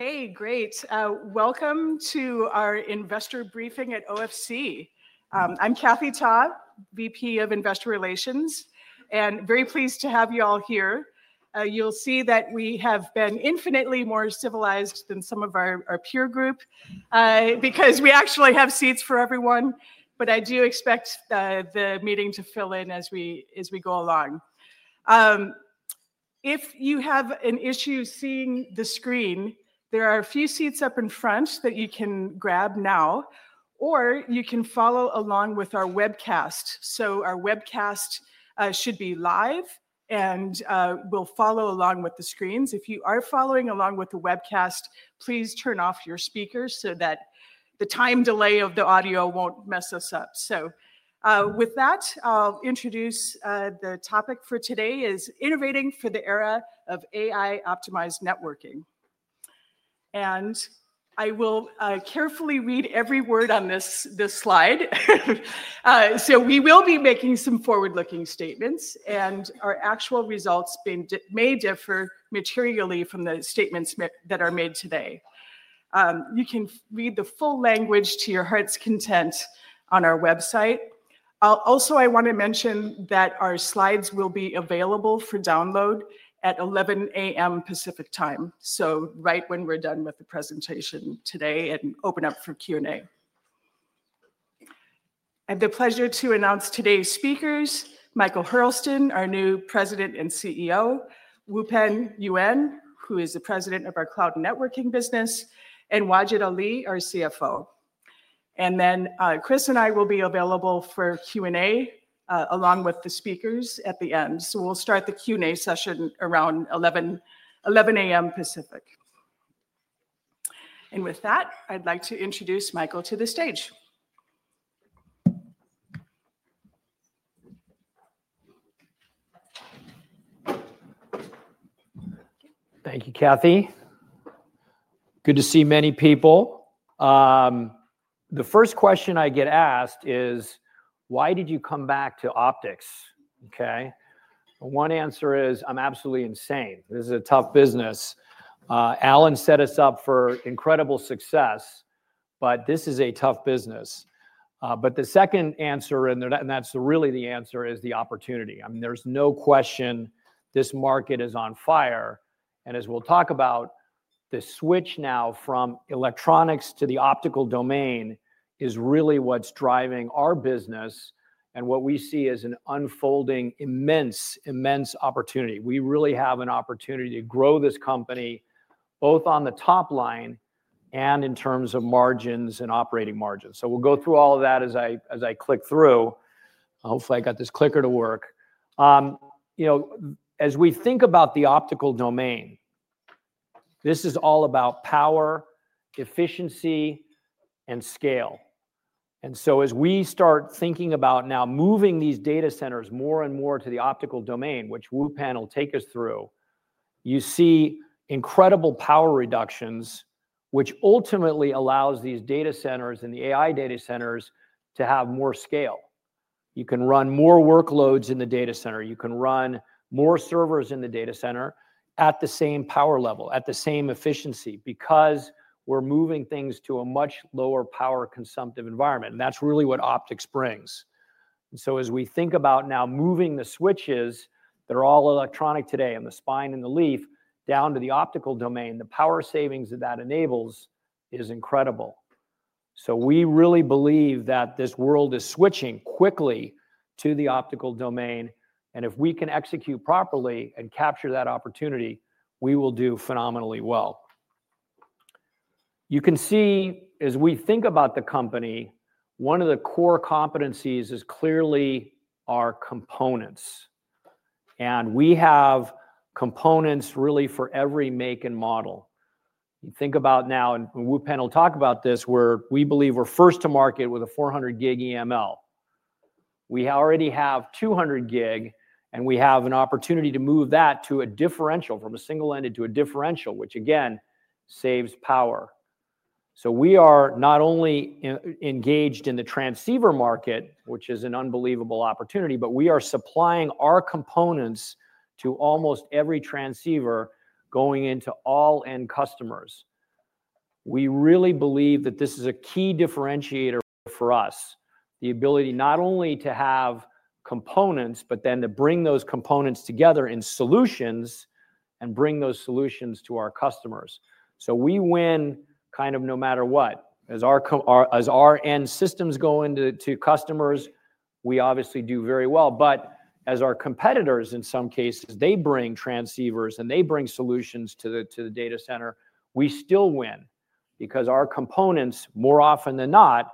Hey, great. Welcome to our investor briefing at OFC. I'm Kathy Ta, VP of Investor Relations, and very pleased to have you all here. You'll see that we have been infinitely more civilized than some of our peer group because we actually have seats for everyone. I do expect the meeting to fill in as we go along. If you have an issue seeing the screen, there are a few seats up in front that you can grab now, or you can follow along with our webcast. Our webcast should be live, and we'll follow along with the screens. If you are following along with the webcast, please turn off your speakers so that the time delay of the audio won't mess us up. With that, I'll introduce the topic for today: Innovating for the Era of AI-Optimized Networking. I will carefully read every word on this slide. We will be making some forward-looking statements, and our actual results may differ materially from the statements that are made today. You can read the full language to your heart's content on our website. Also, I want to mention that our slides will be available for download at 11:00 A.M. Pacific time, right when we're done with the presentation today and open up for Q&A. I have the pleasure to announce today's speakers: Michael Hurlston, our new President and CEO; Wupen Yuen, who is the President of our cloud networking business; and Wajid Ali, our CFO. Chris and I will be available for Q&A along with the speakers at the end. We will start the Q&A session around 11:00 A.M. Pacific. With that, I'd like to introduce Michael to the stage. Thank you, Kathy. Good to see many people. The first question I get asked is, why did you come back to optics? Okay. One answer is, I'm absolutely insane. This is a tough business. Alan set us up for incredible success, but this is a tough business. The second answer, and that's really the answer, is the opportunity. I mean, there's no question this market is on fire. As we'll talk about, the switch now from electronics to the optical domain is really what's driving our business and what we see as an unfolding immense, immense opportunity. We really have an opportunity to grow this company both on the top line and in terms of margins and operating margins. We'll go through all of that as I click through. Hopefully, I got this clicker to work. As we think about the optical domain, this is all about power, efficiency, and scale. As we start thinking about now moving these data centers more and more to the optical domain, which Wupen will take us through, you see incredible power reductions, which ultimately allows these data centers and the AI data centers to have more scale. You can run more workloads in the data center. You can run more servers in the data center at the same power level, at the same efficiency, because we're moving things to a much lower power-consumptive environment. That's really what optics brings. As we think about now moving the switches that are all electronic today and the spine and the leaf down to the optical domain, the power savings that that enables is incredible. We really believe that this world is switching quickly to the optical domain. If we can execute properly and capture that opportunity, we will do phenomenally well. You can see as we think about the company, one of the core competencies is clearly our components. We have components really for every make and model. You think about now, and Wupen will talk about this, where we believe we're first to market with a 400G EML. We already have 200 G, and we have an opportunity to move that to a differential from a single-ended to a differential, which again saves power. We are not only engaged in the transceiver market, which is an unbelievable opportunity, but we are supplying our components to almost every transceiver going into all-end customers. We really believe that this is a key differentiator for us, the ability not only to have components, but then to bring those components together in solutions and bring those solutions to our customers. We win kind of no matter what. As our end systems go into customers, we obviously do very well. As our competitors, in some cases, bring transceivers and they bring solutions to the data center, we still win because our components, more often than not,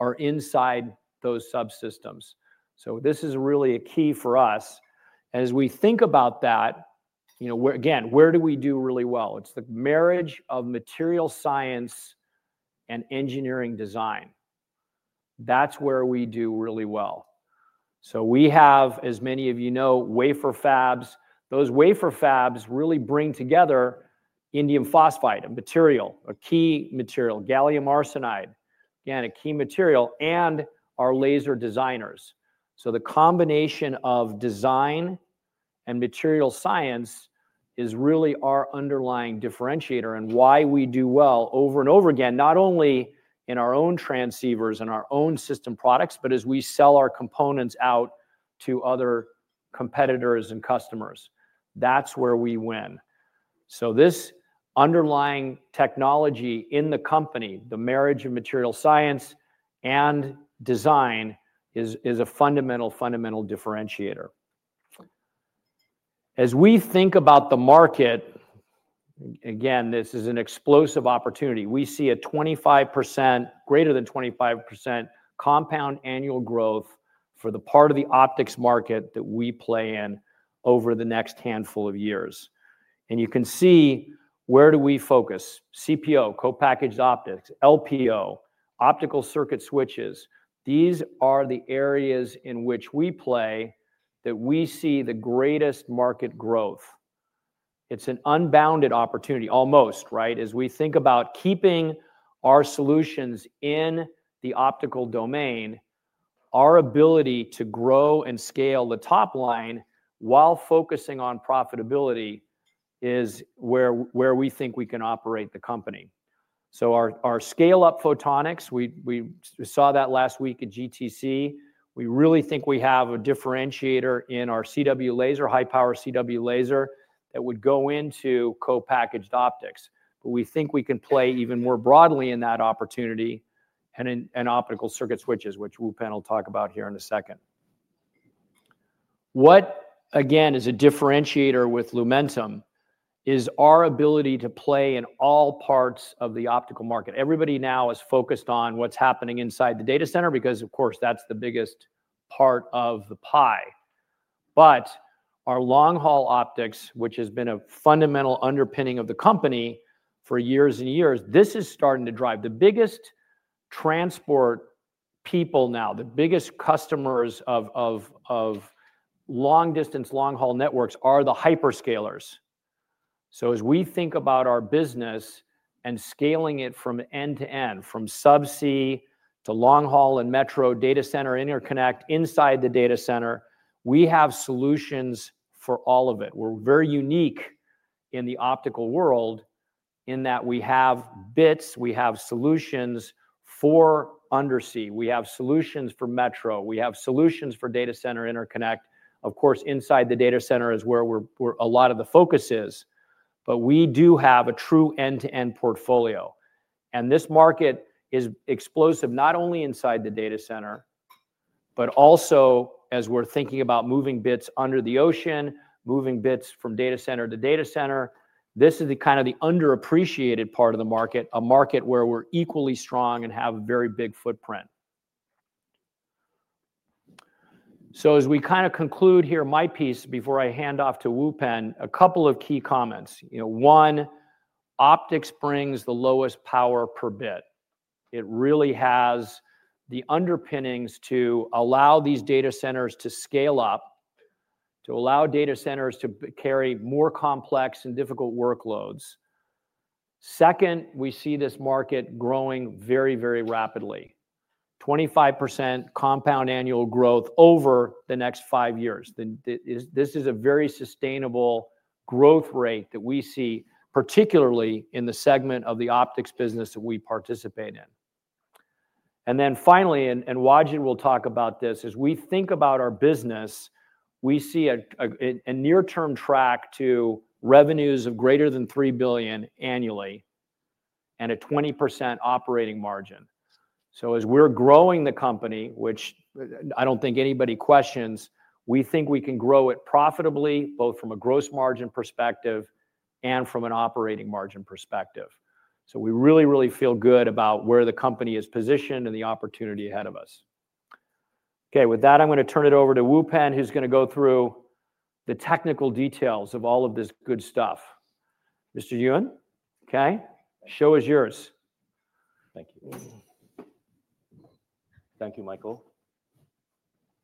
are inside those subsystems. This is really a key for us. As we think about that, again, where do we do really well? It's the marriage of material science and engineering design. That's where we do really well. We have, as many of you know, wafer fabs. Those wafer fabs really bring together indium phosphide, a material, a key material, gallium arsenide, again, a key material, and our laser designers. The combination of design and material science is really our underlying differentiator and why we do well over and over again, not only in our own transceivers and our own system products, but as we sell our components out to other competitors and customers. That's where we win. This underlying technology in the company, the marriage of material science and design is a fundamental, fundamental differentiator. As we think about the market, again, this is an explosive opportunity. We see a 25%, greater than 25% compound annual growth for the part of the optics market that we play in over the next handful of years. You can see where do we focus? CPO, co-packaged optics, LPO, optical circuit switches. These are the areas in which we play that we see the greatest market growth. It's an unbounded opportunity, almost, right? As we think about keeping our solutions in the optical domain, our ability to grow and scale the top line while focusing on profitability is where we think we can operate the company. Our scale-up photonics, we saw that last week at GTC. We really think we have a differentiator in our CW laser, high-power CW laser that would go into co-packaged optics. We think we can play even more broadly in that opportunity and optical circuit switches, which Wupen will talk about here in a second. What, again, is a differentiator with Lumentum is our ability to play in all parts of the optical market. Everybody now is focused on what's happening inside the data center because, of course, that's the biggest part of the pie. Our long-haul optics, which has been a fundamental underpinning of the company for years and years, this is starting to drive. The biggest transport people now, the biggest customers of long-distance long-haul networks are the hyperscalers. As we think about our business and scaling it from end to end, from subsea to long-haul and metro data center interconnect inside the data center, we have solutions for all of it. We're very unique in the optical world in that we have bits, we have solutions for undersea, we have solutions for metro, we have solutions for data center interconnect. Of course, inside the data center is where a lot of the focus is. We do have a true end-to-end portfolio. This market is explosive not only inside the data center, but also as we're thinking about moving bits under the ocean, moving bits from data center to data center. This is kind of the underappreciated part of the market, a market where we're equally strong and have a very big footprint. As we kind of conclude here, my piece before I hand off to Wupen, a couple of key comments. One, optics brings the lowest power per bit. It really has the underpinnings to allow these data centers to scale up, to allow data centers to carry more complex and difficult workloads. Second, we see this market growing very, very rapidly, 25% compound annual growth over the next five years. This is a very sustainable growth rate that we see, particularly in the segment of the optics business that we participate in. Finally, and Wajid will talk about this, as we think about our business, we see a near-term track to revenues of greater than $3 billion annually and a 20% operating margin. As we are growing the company, which I do not think anybody questions, we think we can grow it profitably both from a gross margin perspective and from an operating margin perspective. We really, really feel good about where the company is positioned and the opportunity ahead of us. Okay, with that, I am going to turn it over to Wupen, who is going to go through the technical details of all of this good stuff. Mr. Yuen, okay? Show is yours. Thank you. Thank you, Michael.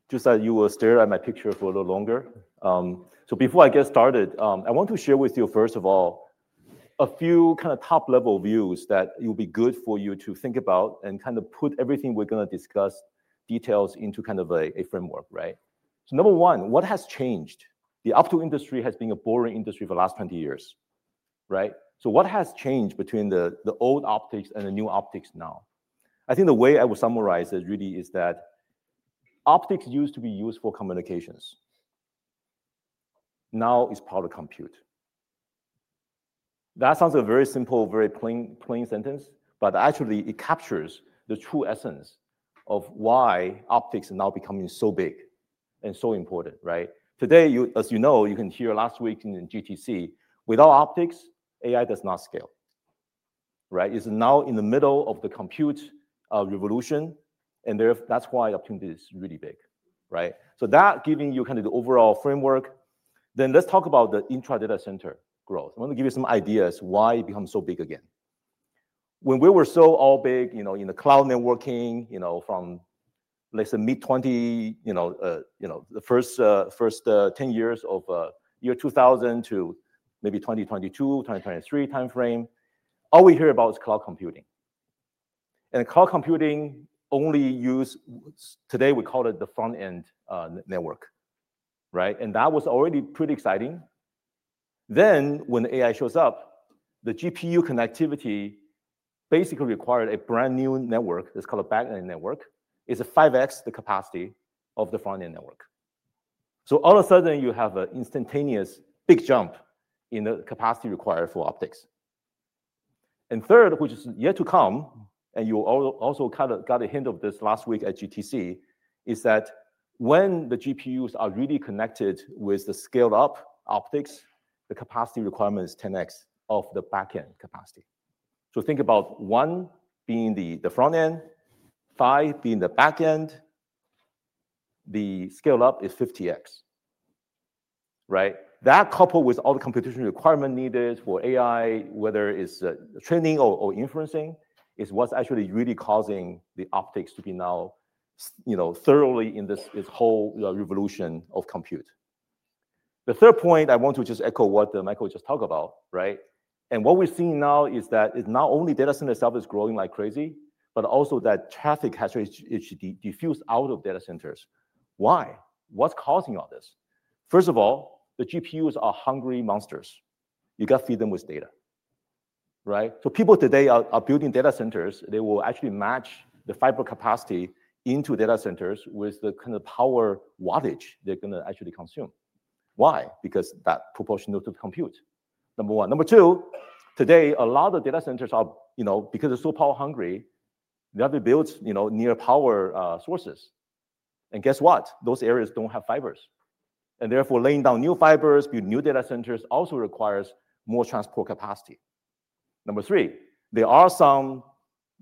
Just as you were staring at my picture for a little longer. Before I get started, I want to share with you, first of all, a few kind of top-level views that it will be good for you to think about and kind of put everything we're going to discuss details into kind of a framework, right? Number one, what has changed? The optical industry has been a boring industry for the last 20 years, right? What has changed between the old optics and the new optics now? I think the way I would summarize it really is that optics used to be used for communications. Now it's power compute. That sounds a very simple, very plain sentence, but actually it captures the true essence of why optics is now becoming so big and so important, right? Today, as you know, you can hear last week in GTC, without optics, AI does not scale, right? It's now in the middle of the compute revolution, and that's why the opportunity is really big, right? That giving you kind of the overall framework. Let's talk about the intra-data center growth. I want to give you some ideas why it becomes so big again. When we were so all big in the cloud networking from, let's say, mid-20, the first 10 years of year 2000 to maybe 2022, 2023 timeframe, all we hear about is cloud computing. Cloud computing only used today, we call it the front-end network, right? That was already pretty exciting. When AI shows up, the GPU connectivity basically required a brand new network. It's called a back-end network. It's a 5x the capacity of the front-end network. All of a sudden, you have an instantaneous big jump in the capacity required for optics. Third, which is yet to come, and you also kind of got a hint of this last week at GTC, is that when the GPUs are really connected with the scaled-up optics, the capacity requirement is 10x of the back-end capacity. Think about one being the front-end, five being the back-end, the scaled-up is 50x, right? That coupled with all the computation requirement needed for AI, whether it's training or inferencing, is what's actually really causing the optics to be now thoroughly in this whole revolution of compute. The third point, I want to just echo what Michael just talked about, right? What we're seeing now is that it's not only data center itself is growing like crazy, but also that traffic has to be diffused out of data centers. Why? What's causing all this? First of all, the GPUs are hungry monsters. You got to feed them with data, right? People today are building data centers. They will actually match the fiber capacity into data centers with the kind of power wattage they're going to actually consume. Why? Because that's proportional to the compute, number one. Number two, today, a lot of data centers are, because they're so power hungry, they have to build near power sources. Guess what? Those areas don't have fibers. Therefore, laying down new fibers, new data centers also requires more transport capacity. Number three, there are some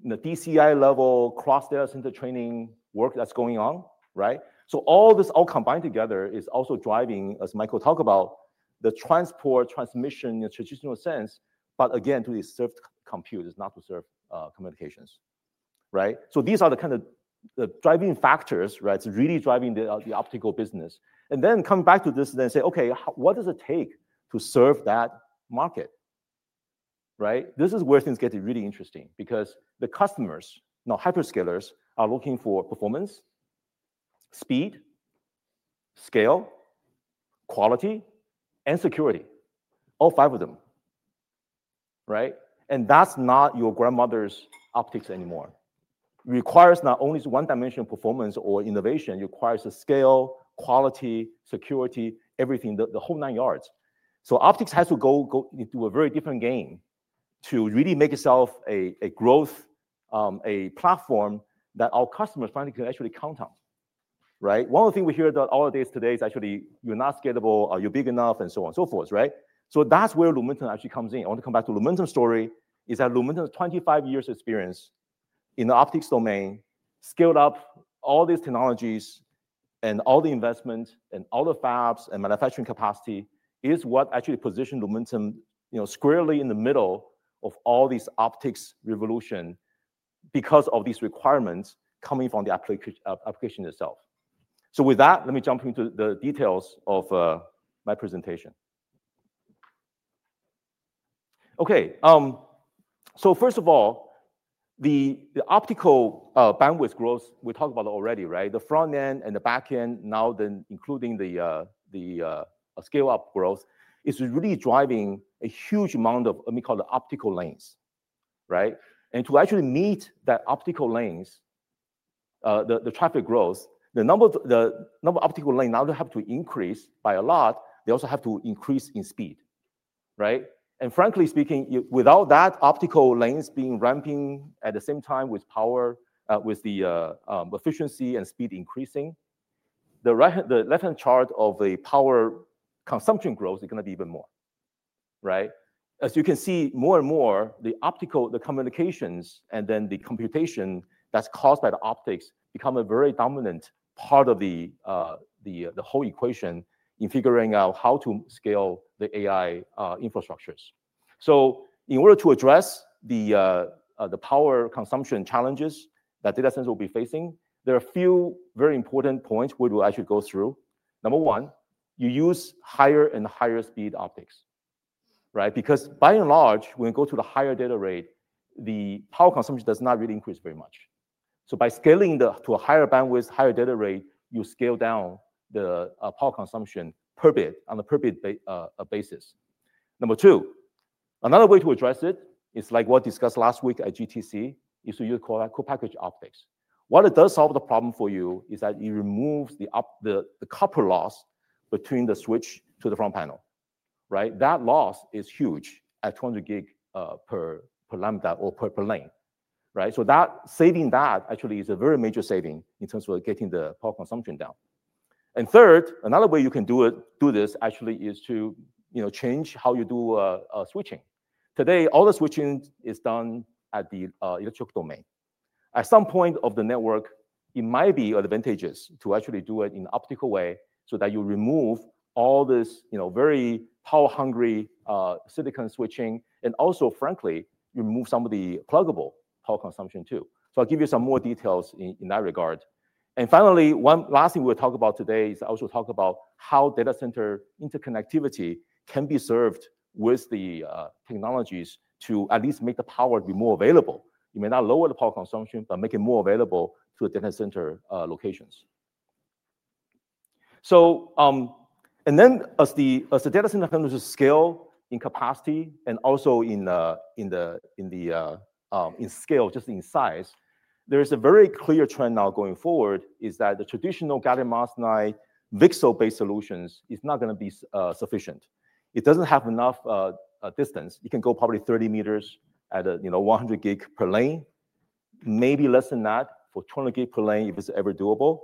DCI-level cross-data center training work that's going on, right? All this all combined together is also driving, as Michael talked about, the transport transmission in a traditional sense, but again, to serve compute, it's not to serve communications, right? These are the kind of driving factors, right? It's really driving the optical business. Coming back to this and then say, okay, what does it take to serve that market, right? This is where things get really interesting because the customers, now hyperscalers, are looking for performance, speed, scale, quality, and security, all five of them, right? That's not your grandmother's optics anymore. It requires not only one-dimensional performance or innovation. It requires a scale, quality, security, everything, the whole nine yards. Optics has to go into a very different game to really make itself a growth, a platform that our customers finally can actually count on, right? One of the things we hear all of this today is actually you're not scalable, you're big enough, and so on and so forth, right? That's where Lumentum actually comes in. I want to come back to Lumentum's story is that Lumentum's 25 years' experience in the optics domain, scaled up all these technologies and all the investment and all the fabs and manufacturing capacity is what actually positioned Lumentum squarely in the middle of all this optics revolution because of these requirements coming from the application itself. With that, let me jump into the details of my presentation. Okay. First of all, the optical bandwidth growth, we talked about it already, right? The front-end and the back-end now, then including the scale-up growth, is really driving a huge amount of, let me call it optical lanes, right? To actually meet that optical lanes, the traffic growth, the number of optical lanes now they have to increase by a lot. They also have to increase in speed, right? Frankly speaking, without that optical lanes being ramping at the same time with power, with the efficiency and speed increasing, the left-hand chart of the power consumption growth is going to be even more, right? As you can see, more and more, the optical, the communications, and then the computation that's caused by the optics become a very dominant part of the whole equation in figuring out how to scale the AI infrastructures. In order to address the power consumption challenges that data centers will be facing, there are a few very important points we will actually go through. Number one, you use higher and higher speed optics, right? Because by and large, when you go to the higher data rate, the power consumption does not really increase very much. By scaling to a higher bandwidth, higher data rate, you scale down the power consumption per bit on a per bit basis. Number two, another way to address it is like what we discussed last week at GTC is to use co-packaged optics. What it does solve the problem for you is that it removes the copper loss between the switch to the front panel, right? That loss is huge at 200 gig per lambda or per lane, right? Saving that actually is a very major saving in terms of getting the power consumption down. Third, another way you can do this actually is to change how you do switching. Today, all the switching is done at the electric domain. At some point of the network, it might be advantageous to actually do it in an optical way so that you remove all this very power-hungry silicon switching and also, frankly, remove some of the pluggable power consumption too. I'll give you some more details in that regard. Finally, one last thing we'll talk about today is I also talk about how data center interconnectivity can be served with the technologies to at least make the power be more available. You may not lower the power consumption, but make it more available to the data center locations. As the data center comes to scale in capacity and also in scale, just in size, there is a very clear trend now going forward that the traditional guided mass night VCSEL-based solutions is not going to be sufficient. It doesn't have enough distance. You can go probably 30 m at 100 gig per lane, maybe less than that for 200 gig per lane if it's ever doable,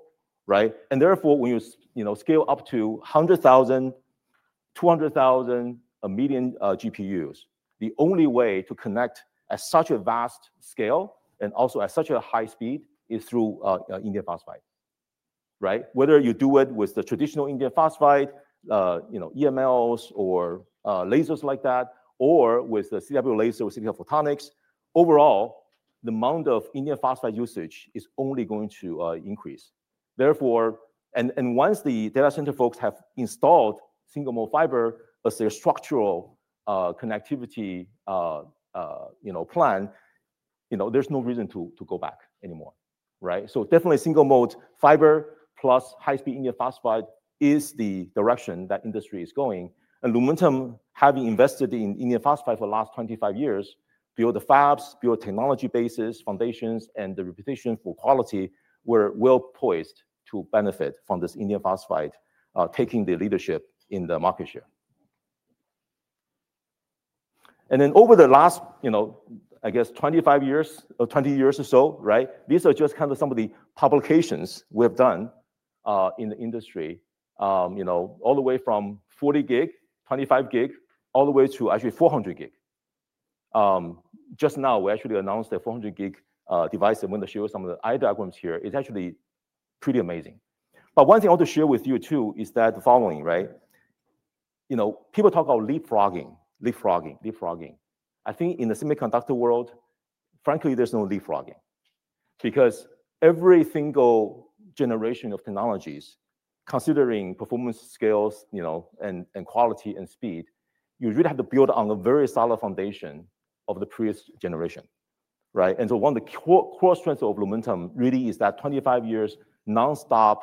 right? Therefore, when you scale up to 100,000, 200,000, a million GPUs, the only way to connect at such a vast scale and also at such a high speed is through indium phosphide, right? Whether you do it with the traditional indium phosphide, EMLs or lasers like that, or with the CW laser or CW photonics, overall, the amount of indium phosphide usage is only going to increase. Therefore, once the data center folks have installed single-mode fiber as their structural connectivity plan, there's no reason to go back anymore, right? Definitely single-mode fiber plus high-speed indium phosphide is the direction that industry is going. Lumentum, having invested in indium phosphide for the last 25 years, built the fabs, built technology bases, foundations, and the reputation for quality, were well poised to benefit from this indium phosphide taking the leadership in the market share. Over the last, I guess, 25 years or 20 years or so, right? These are just kind of some of the publications we have done in the industry, all the way from 40 gig, 25 gig, all the way to actually 400 gig. Just now, we actually announced a 400 gig device. I'm going to show you some of the eye diagrams here. It's actually pretty amazing. One thing I want to share with you too is the following, right? People talk about leapfrogging, leapfrogging, leapfrogging. I think in the semiconductor world, frankly, there's no leapfrogging because every single generation of technologies, considering performance scales and quality and speed, you really have to build on a very solid foundation of the previous generation, right? One of the core strengths of Lumentum really is that 25 years nonstop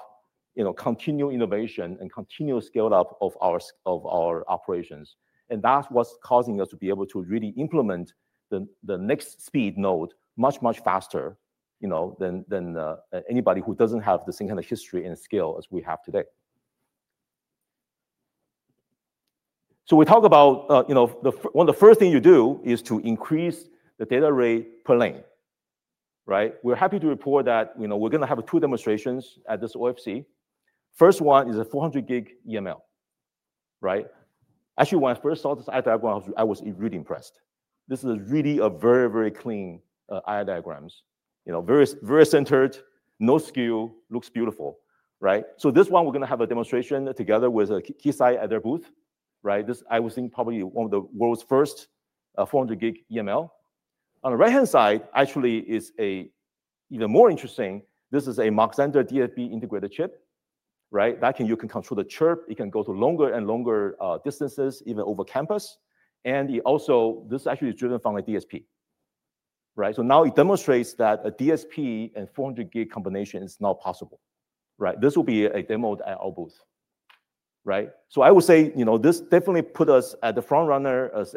continual innovation and continual scale-up of our operations. That's what's causing us to be able to really implement the next speed node much, much faster than anybody who doesn't have the same kind of history and scale as we have today. We talk about one of the first things you do is to increase the data rate per lane, right? We're happy to report that we're going to have two demonstrations at this OFC. First one is a 400G EML, right? Actually, when I first saw this eye diagram, I was really impressed. This is really a very, very clean eye diagrams, very centered, no skew, looks beautiful, right? This one, we're going to have a demonstration together with Keysight at their booth, right? This I would think probably one of the world's first 400G EML. On the right-hand side, actually, is even more interesting. This is a Mark Zander DSP integrated chip, right? That you can control the chirp. It can go to longer and longer distances, even over campus. Also, this actually is driven from a DSP, right? Now it demonstrates that a DSP and 400G combination is now possible, right? This will be a demo at our booth, right? I would say this definitely put us at the front runner as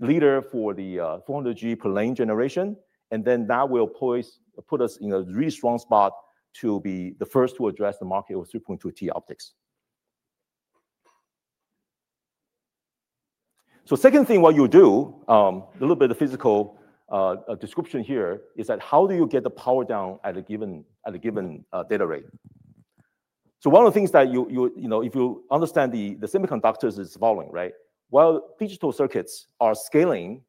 a leader for the 400G per lane generation. That will put us in a really strong spot to be the first to address the market with 3.2-T optics. The second thing, what you'll do, a little bit of physical description here, is that how do you get the power down at a given data rate? One of the things that if you understand the semiconductors is following, right? While digital circuits are scaling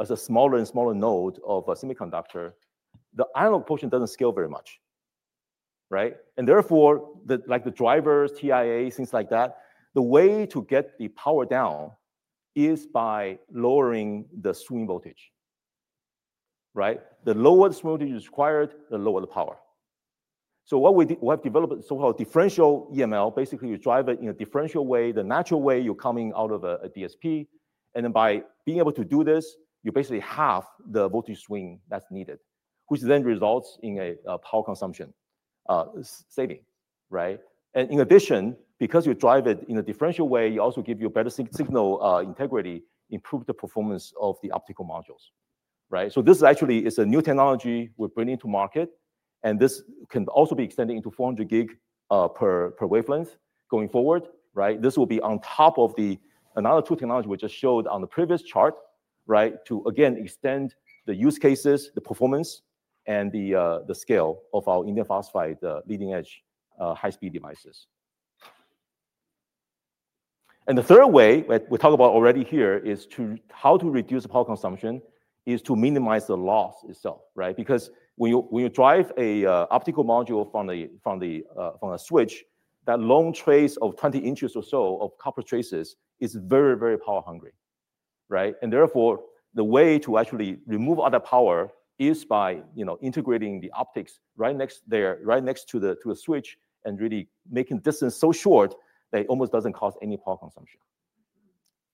as a smaller and smaller node of a semiconductor, the analog portion doesn't scale very much, right? Therefore, like the drivers, TIAs, things like that, the way to get the power down is by lowering the swing voltage, right? The lower the swing voltage is required, the lower the power. What we have developed is so-called differential EML. Basically, you drive it in a differential way, the natural way you're coming out of a DSP. By being able to do this, you basically half the voltage swing that's needed, which then results in a power consumption saving, right? In addition, because you drive it in a differential way, you also give you better signal integrity, improve the performance of the optical modules, right? This actually is a new technology we're bringing to market. This can also be extended into 400 gig per wavelength going forward, right? This will be on top of the another two technologies we just showed on the previous chart, right? To again extend the use cases, the performance, and the scale of our indium phosphide leading-edge high-speed devices. The third way we talk about already here is how to reduce power consumption is to minimize the loss itself, right? Because when you drive an optical module from a switch, that long trace of 20 inches or so of copper traces is very, very power hungry, right? Therefore, the way to actually remove all that power is by integrating the optics right next to the switch and really making the distance so short that it almost doesn't cause any power consumption,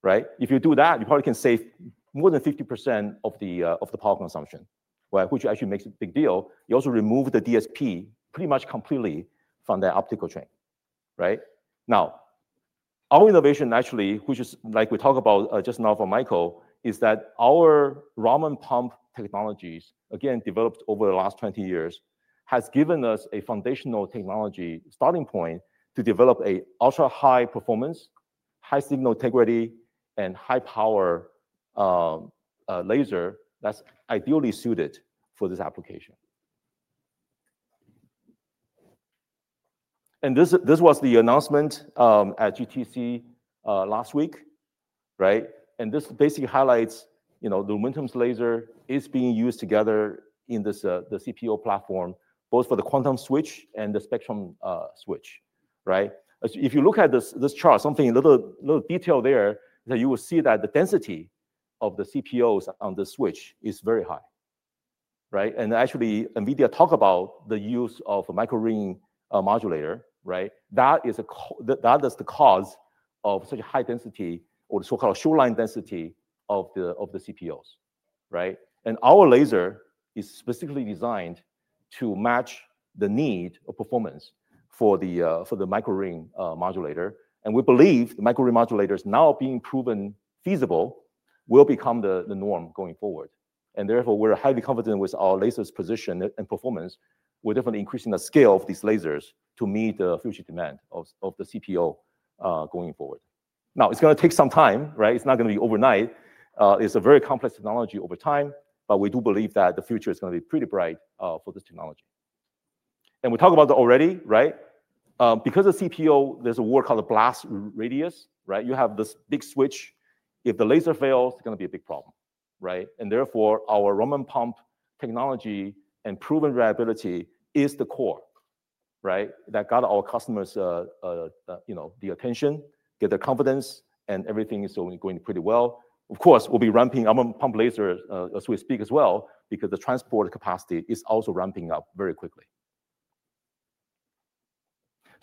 right? If you do that, you probably can save more than 50% of the power consumption, which actually makes a big deal. You also remove the DSP pretty much completely from that optical chain, right? Now, our innovation actually, which is like we talked about just now from Michael, is that our Raman pump technologies, again, developed over the last 20 years, has given us a foundational technology starting point to develop an ultra-high performance, high-signal integrity, and high-power laser that's ideally suited for this application. This was the announcement at GTC last week, right? This basically highlights Lumentum's laser is being used together in the CPO platform, both for the quantum switch and the spectrum switch, right? If you look at this chart, something, a little detail there, you will see that the density of the CPOs on the switch is very high, right? Actually, NVIDIA talked about the use of a micro-ring modulator, right? That is the cause of such a high density or the so-called showline density of the CPOs, right? Our laser is specifically designed to match the need of performance for the micro-ring modulator. We believe the micro-ring modulator is now being proven feasible, will become the norm going forward. Therefore, we're highly confident with our laser's position and performance. We're definitely increasing the scale of these lasers to meet the future demand of the CPO going forward. Now, it's going to take some time, right? It's not going to be overnight. It's a very complex technology over time, but we do believe that the future is going to be pretty bright for this technology. We talked about it already, right? Because of CPO, there's a word called a blast radius, right? You have this big switch. If the laser fails, it's going to be a big problem, right? Therefore, our Raman pump technology and proven reliability is the core, right? That got our customers' attention, get their confidence, and everything is going pretty well. Of course, we'll be ramping up pump lasers as we speak as well because the transport capacity is also ramping up very quickly.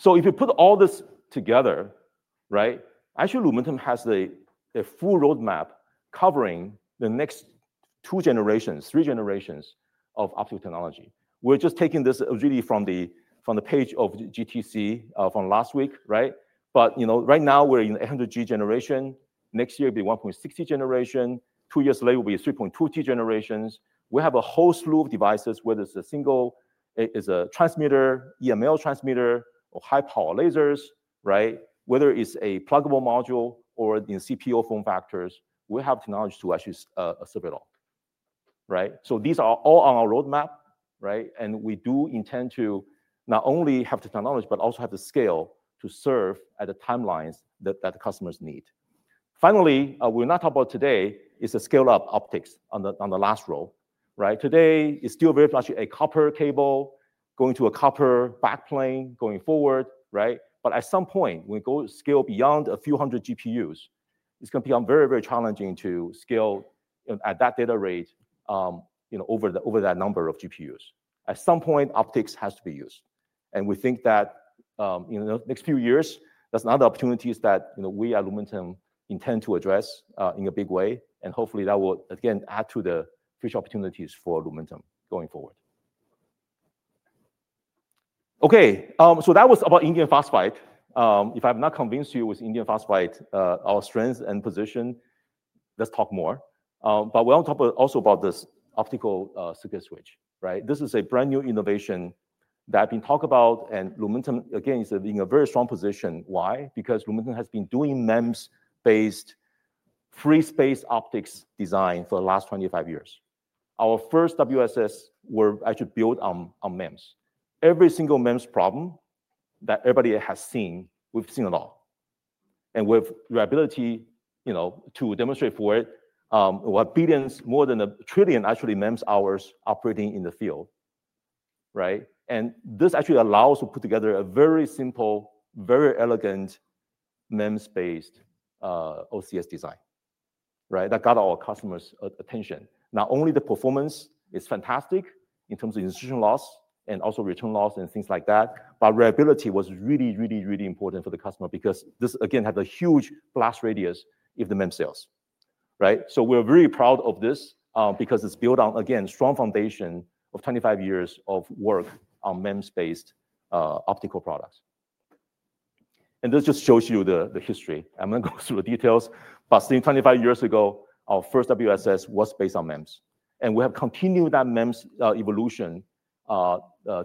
If you put all this together, right, actually Lumentum has a full roadmap covering the next two generations, three generations of optical technology. We're just taking this really from the page of GTC from last week, right? Right now, we're in the 800G generation. Next year, it'll be 1.6-T generation. Two years later, we'll be 3.2-T generations. We have a whole slew of devices, whether it's a single transmitter, EML transmitter, or high-power lasers, right? Whether it's a pluggable module or in CPO form factors, we have technology to actually serve it all, right? These are all on our roadmap, right? We do intend to not only have the technology, but also have the scale to serve at the timelines that the customers need. Finally, we're not talking about today is the scale-up optics on the last row, right? Today, it's still very much a copper cable going to a copper backplane going forward, right? At some point, when we go scale beyond a few hundred GPUs, it's going to become very, very challenging to scale at that data rate over that number of GPUs. At some point, optics has to be used. We think that in the next few years, that's another opportunity that we at Lumentum intend to address in a big way. Hopefully, that will again add to the future opportunities for Lumentum going forward. Okay. That was about indium phosphide. If I've not convinced you with indium phosphide, our strength and position, let's talk more. We'll talk also about this optical circuit switch, right? This is a brand new innovation that I've been talking about. Lumentum, again, is in a very strong position. Why? Because Lumentum has been doing MEMS-based free-space optics design for the last 25 years. Our first WSS were actually built on MEMS. Every single MEMS problem that everybody has seen, we've seen it all. And with reliability to demonstrate for it, we have billions, more than a trillion actually MEMS hours operating in the field, right? This actually allows us to put together a very simple, very elegant MEMS-based OCS design, right? That got our customers' attention. Not only the performance is fantastic in terms of insertion loss and also return loss and things like that, but reliability was really, really, really important for the customer because this, again, had a huge blast radius if the MEMS fails, right? We are very proud of this because it's built on, again, a strong foundation of 25 years of work on MEMS-based optical products. This just shows you the history. I'm going to go through the details. I think 25 years ago, our first WSS was based on MEMS. We have continued that MEMS evolution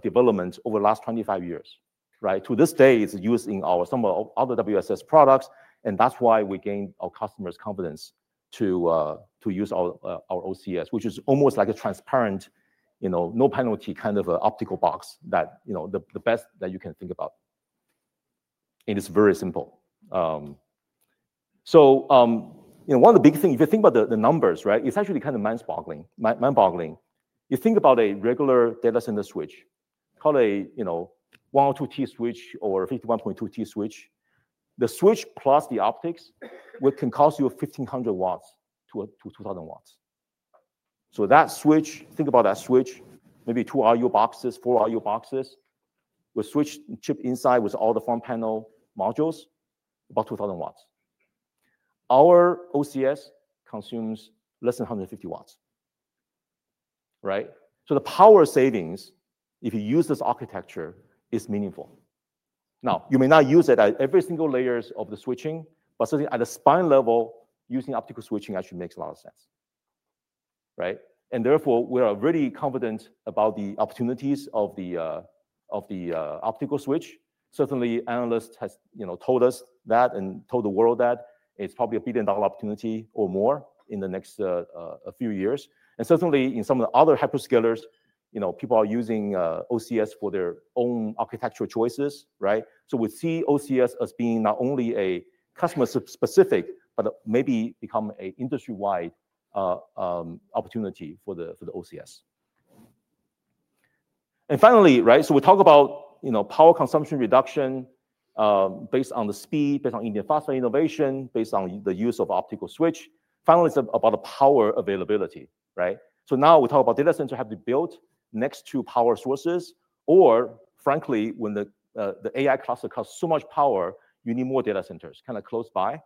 development over the last 25 years, right? To this day, it's used in some of our other WSS products. That's why we gained our customers' confidence to use our OCS, which is almost like a transparent, no-penalty kind of optical box, the best that you can think about. It's very simple. One of the big things, if you think about the numbers, right, it's actually kind of mind-boggling. You think about a regular data center switch, probably a 102-T switch or a 51.2-T switch, the switch plus the optics can cost you 1,500 watts to 2,000 watts. That switch, think about that switch, maybe two RU boxes, four RU boxes, with switch chip inside with all the front panel modules, about 2,000 watts. Our OCS consumes less than 150 watts, right? The power savings, if you use this architecture, is meaningful. Now, you may not use it at every single layer of the switching, but certainly at the spine level, using optical switching actually makes a lot of sense, right? Therefore, we are really confident about the opportunities of the optical switch. Certainly, analysts have told us that and told the world that it's probably a billion-dollar opportunity or more in the next few years. Certainly, in some of the other hyperscalers, people are using OCS for their own architectural choices, right? We see OCS as being not only customer-specific, but maybe become an industry-wide opportunity for the OCS. Finally, right, we talk about power consumption reduction based on the speed, based on indium phosphide innovation, based on the use of optical switch. Finally, it's about the power availability, right? Now we talk about data centers have to be built next to power sources. Or frankly, when the AI cluster costs so much power, you need more data centers kind of close by.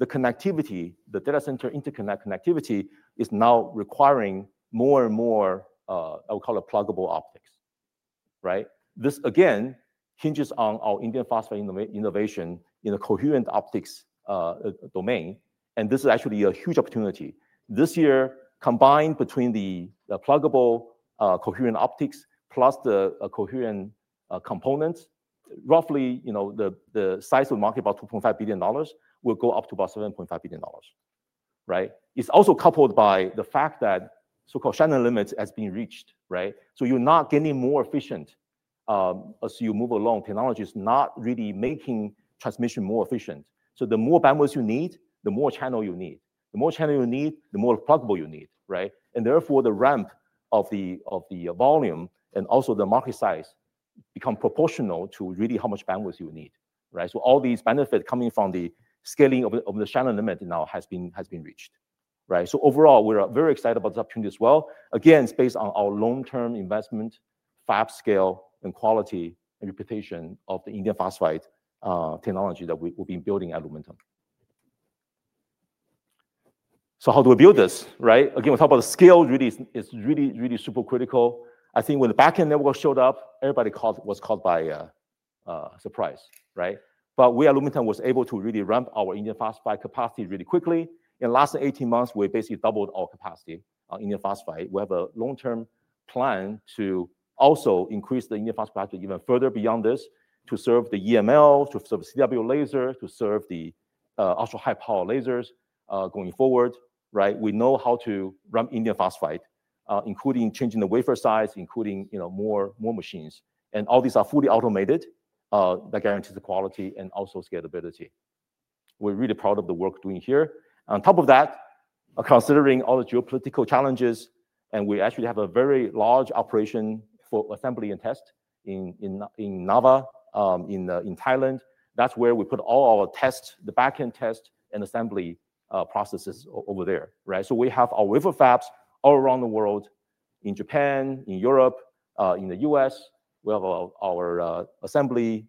The connectivity, the data center interconnect connectivity is now requiring more and more, I would call it pluggable optics, right? This again hinges on our indium phosphide innovation in the coherent optics domain. This is actually a huge opportunity. This year, combined between the pluggable coherent optics plus the coherent components, roughly the size of the market, about $2.5 billion, will go up to about $7.5 billion, right? It's also coupled by the fact that so-called Shannon limits have been reached, right? You're not getting more efficient as you move along. Technology is not really making transmission more efficient. The more bandwidth you need, the more channel you need. The more channel you need, the more pluggable you need, right? Therefore, the ramp of the volume and also the market size becomes proportional to really how much bandwidth you need, right? All these benefits coming from the scaling of the Shannon limit now have been reached, right? Overall, we're very excited about this opportunity as well. Again, it's based on our long-term investment, fab scale, and quality and reputation of the indium phosphide technology that we've been building at Lumentum. How do we build this, right? Again, we talk about the scale really is really, really super critical. I think when the back-end network showed up, everybody was caught by surprise, right? We at Lumentum were able to really ramp our indium phosphide capacity really quickly. In the last 18 months, we basically doubled our capacity on indium phosphide. We have a long-term plan to also increase the indium phosphide capacity even further beyond this to serve the EML, to serve the CW laser, to serve the ultra-high-power lasers going forward, right? We know how to ramp indium phosphide, including changing the wafer size, including more machines. All these are fully automated that guarantees the quality and also scalability. We're really proud of the work doing here. On top of that, considering all the geopolitical challenges, we actually have a very large operation for assembly and test in Nava in Thailand. That's where we put all our tests, the backend test and assembly processes over there, right? We have our wafer fabs all around the world, in Japan, in Europe, in the U.S. We have our assembly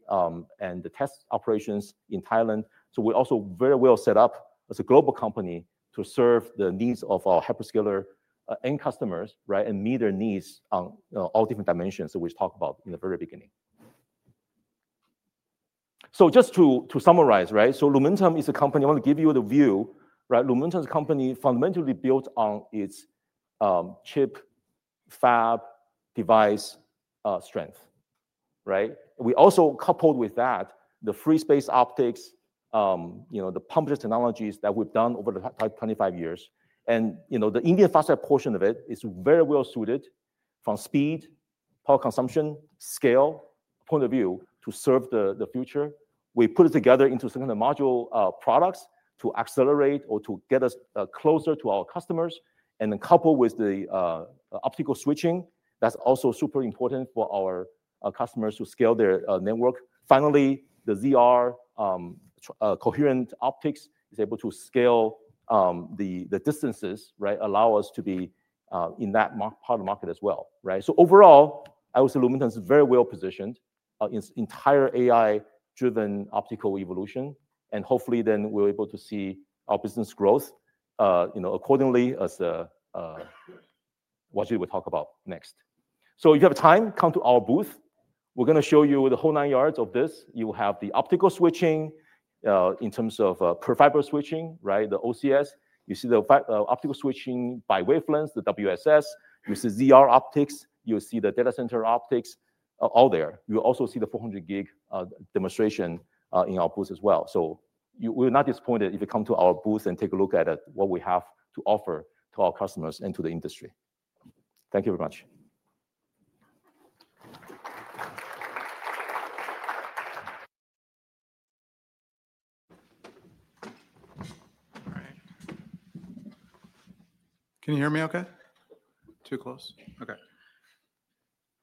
and test operations in Thailand. We are also very well set up as a global company to serve the needs of our hyperscaler and customers, right, and meet their needs on all different dimensions that we talked about in the very beginning. Just to summarize, right, Lumentum is a company I want to give you the view, right? Lumentum's company fundamentally built on its chip, fab, device strength, right? We also coupled with that the free-space optics, the pump-based technologies that we have done over the past 25 years. The indium phosphide portion of it is very well suited from speed, power consumption, scale point of view to serve the future. We put it together into some kind of module products to accelerate or to get us closer to our customers. Coupled with the optical switching, that's also super important for our customers to scale their network. Finally, the ZR coherent optics is able to scale the distances, right, allow us to be in that part of the market as well, right? Overall, I would say Lumentum is very well positioned in its entire AI-driven optical evolution. Hopefully, then we're able to see our business growth accordingly as what we talk about next. If you have time, come to our booth. We're going to show you the whole nine yards of this. You will have the optical switching in terms of per fiber switching, right, the OCS. You see the optical switching by wavelengths, the WSS. You see ZR optics. You'll see the data center optics all there. You'll also see the 400 G demonstration in our booth as well. We're not disappointed if you come to our booth and take a look at what we have to offer to our customers and to the industry. Thank you very much. Can you hear me okay? Too close? Okay.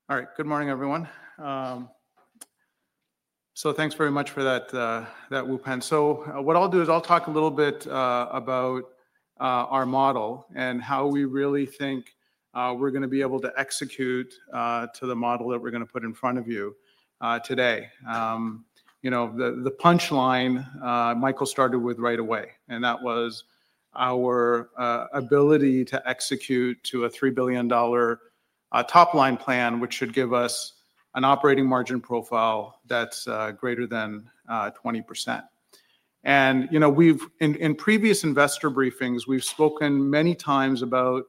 All right. Good morning, everyone. Thanks very much for that whoop. What I'll do is I'll talk a little bit about our model and how we really think we're going to be able to execute to the model that we're going to put in front of you today. The punchline Michael started with right away. That was our ability to execute to a $3 billion top line plan, which should give us an operating margin profile that's greater than 20%. In previous investor briefings, we've spoken many times about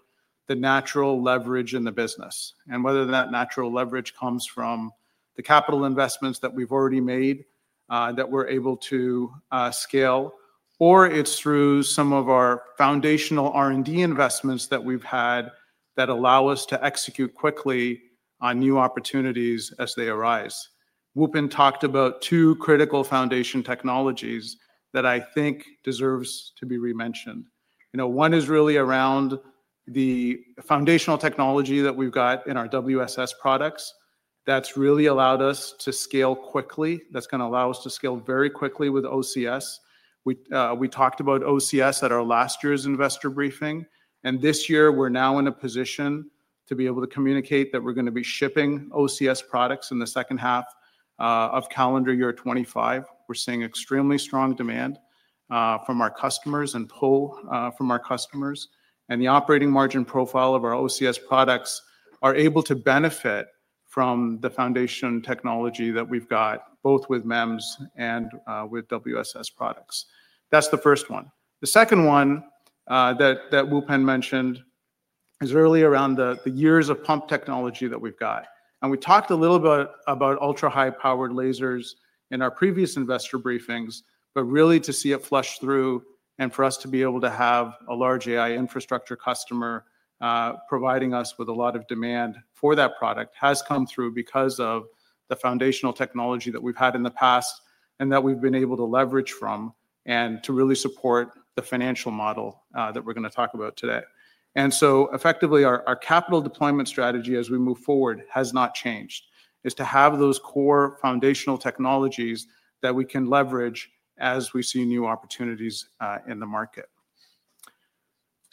the natural leverage in the business and whether that natural leverage comes from the capital investments that we've already made that we're able to scale, or it's through some of our foundational R&D investments that we've had that allow us to execute quickly on new opportunities as they arise. Wupen talked about two critical foundation technologies that I think deserve to be re-mentioned. One is really around the foundational technology that we've got in our WSS products that's really allowed us to scale quickly. That's going to allow us to scale very quickly with OCS. We talked about OCS at our last year's investor briefing. This year, we're now in a position to be able to communicate that we're going to be shipping OCS products in the second half of calendar year 2025. We're seeing extremely strong demand from our customers and pull from our customers. The operating margin profile of our OCS products is able to benefit from the foundation technology that we've got, both with MEMS and with WSS products. That's the first one. The second one that Wupen mentioned is really around the years of pump technology that we've got. We talked a little bit about ultra-high power lasers in our previous investor briefings, but really to see it flush through and for us to be able to have a large AI infrastructure customer providing us with a lot of demand for that product has come through because of the foundational technology that we've had in the past and that we've been able to leverage from and to really support the financial model that we're going to talk about today. Effectively, our capital deployment strategy as we move forward has not changed. It is to have those core foundational technologies that we can leverage as we see new opportunities in the market.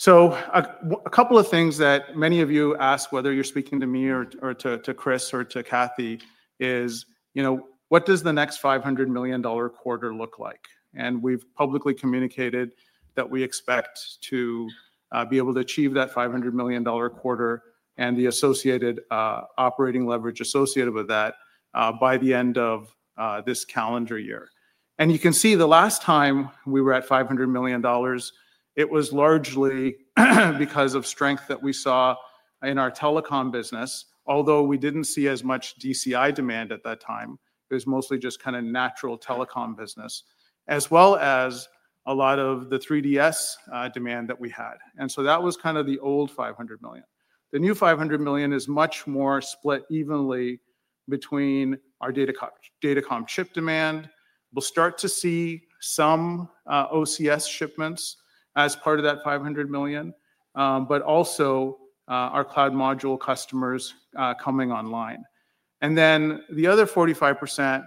A couple of things that many of you asked, whether you are speaking to me or to Chris or to Kathy, is, what does the next $500 million quarter look like? We have publicly communicated that we expect to be able to achieve that $500 million quarter and the associated operating leverage associated with that by the end of this calendar year. You can see the last time we were at $500 million, it was largely because of strength that we saw in our telecom business, although we did not see as much DCI demand at that time. It was mostly just kind of natural telecom business, as well as a lot of the 3DS demand that we had. That was kind of the old $500 million. The new $500 million is much more split evenly between our data comm chip demand. We'll start to see some OCS shipments as part of that $500 million, but also our cloud module customers coming online. The other 45%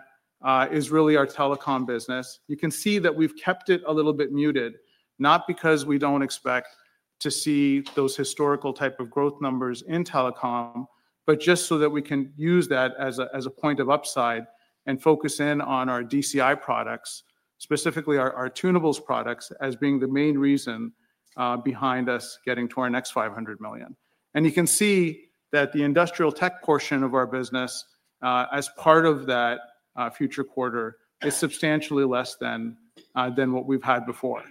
is really our telecom business. You can see that we've kept it a little bit muted, not because we don't expect to see those historical type of growth numbers in telecom, but just so that we can use that as a point of upside and focus in on our DCI products, specifically our tunables products as being the main reason behind us getting to our next $500 million. You can see that the industrial tech portion of our business as part of that future quarter is substantially less than what we've had before.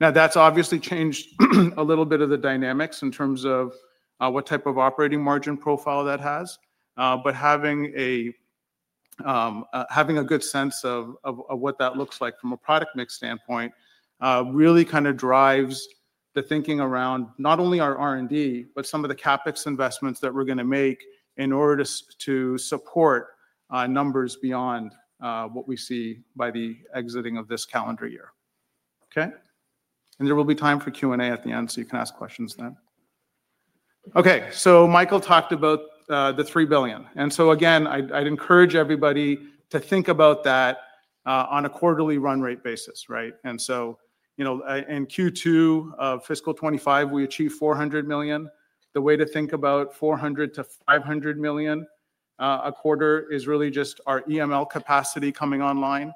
That has obviously changed a little bit of the dynamics in terms of what type of operating margin profile that has. Having a good sense of what that looks like from a product mix standpoint really kind of drives the thinking around not only our R&D, but some of the CapEx investments that we're going to make in order to support numbers beyond what we see by the exiting of this calendar year. There will be time for Q&A at the end, so you can ask questions then. Michael talked about the $3 billion. Again, I'd encourage everybody to think about that on a quarterly run rate basis, right? In Q2 of fiscal 2025, we achieved $400 million. The way to think about $400 million-$500 million a quarter is really just our EML capacity coming online.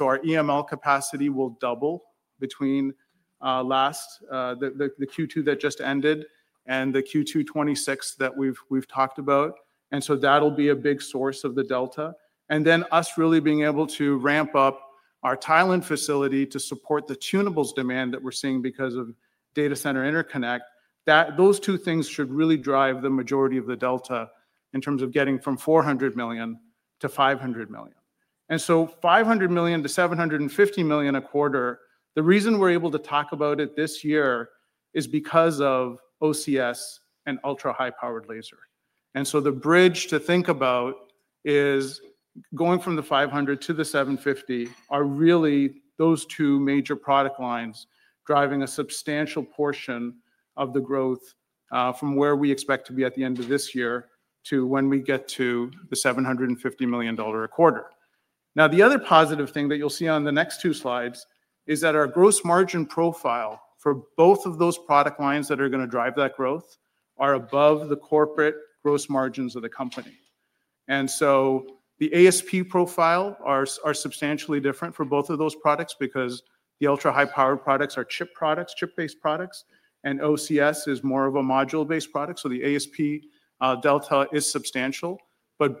Our EML capacity will double between the Q2 that just ended and the Q2 2026 that we have talked about. That will be a big source of the delta. Us really being able to ramp up our Thailand facility to support the tunables demand that we are seeing because of data center interconnect, those two things should really drive the majority of the delta in terms of getting from $400 million to $500 million. $500 million-$750 million a quarter, the reason we are able to talk about it this year is because of OCS and ultra-high-power laser. The bridge to think about is going from the $500 to the $750 are really those two major product lines driving a substantial portion of the growth from where we expect to be at the end of this year to when we get to the $750 million a quarter. The other positive thing that you'll see on the next two slides is that our gross margin profile for both of those product lines that are going to drive that growth are above the corporate gross margins of the company. The ASP profile are substantially different for both of those products because the ultra-high-powered products are chip products, chip-based products. OCS is more of a module-based product. The ASP delta is substantial.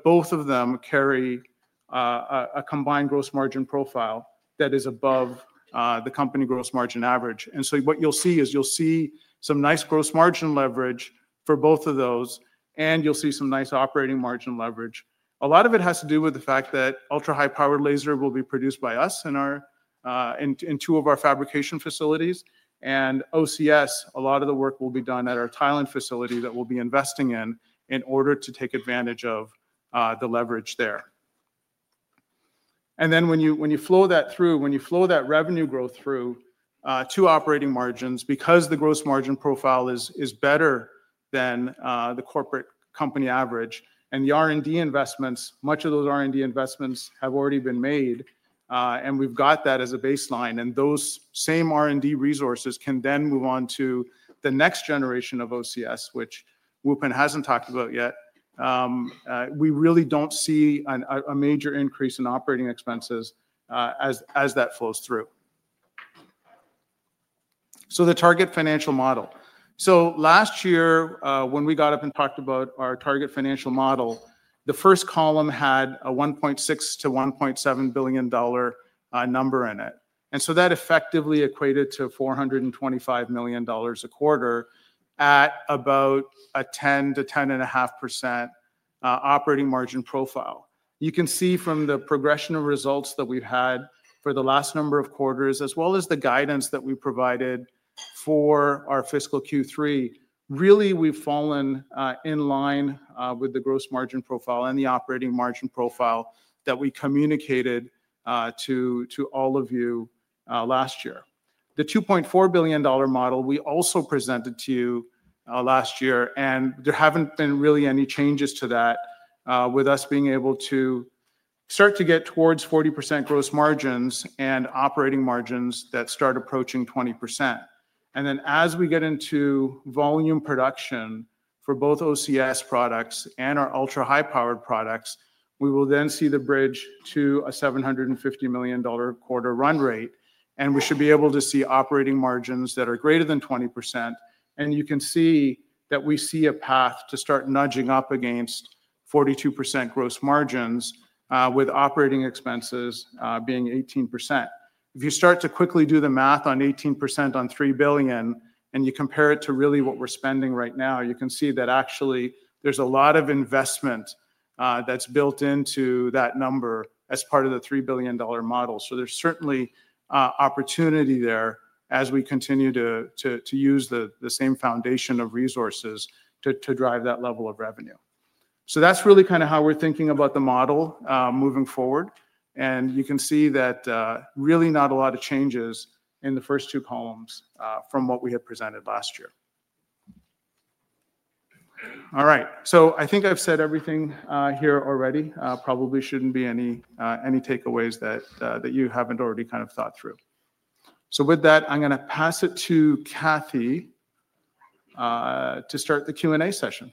Both of them carry a combined gross margin profile that is above the company gross margin average. You will see some nice gross margin leverage for both of those. You will see some nice operating margin leverage. A lot of it has to do with the fact that ultra-high-power laser will be produced by us in two of our fabrication facilities. OCS, a lot of the work will be done at our Thailand facility that we will be investing in in order to take advantage of the leverage there. When you flow that through, when you flow that revenue growth through to operating margins, because the gross margin profile is better than the corporate company average and the R&D investments, much of those R&D investments have already been made. We have that as a baseline. Those same R&D resources can then move on to the next generation of OCS, which Wupen has not talked about yet. We really don't see a major increase in operating expenses as that flows through. The target financial model. Last year, when we got up and talked about our target financial model, the first column had a $1.6 billion-$1.7 billion number in it. That effectively equated to $425 million a quarter at about a 10%-10.5% operating margin profile. You can see from the progression of results that we've had for the last number of quarters, as well as the guidance that we provided for our fiscal Q3, really we've fallen in line with the gross margin profile and the operating margin profile that we communicated to all of you last year. The $2.4 billion model we also presented to you last year. There have not been really any changes to that with us being able to start to get towards 40% gross margins and operating margins that start approaching 20%. As we get into volume production for both OCS products and our ultra-high-power products, we will then see the bridge to a $750 million quarter run rate. We should be able to see operating margins that are greater than 20%. You can see that we see a path to start nudging up against 42% gross margins with operating expenses being 18%. If you start to quickly do the math on 18% on $3 billion and you compare it to really what we are spending right now, you can see that actually there is a lot of investment that is built into that number as part of the $3 billion model. There is certainly opportunity there as we continue to use the same foundation of resources to drive that level of revenue. That is really kind of how we are thinking about the model moving forward. You can see that really not a lot of changes in the first two columns from what we had presented last year. All right. I think I have said everything here already. There probably should not be any takeaways that you have not already kind of thought through. With that, I am going to pass it to Kathy to start the Q&A session.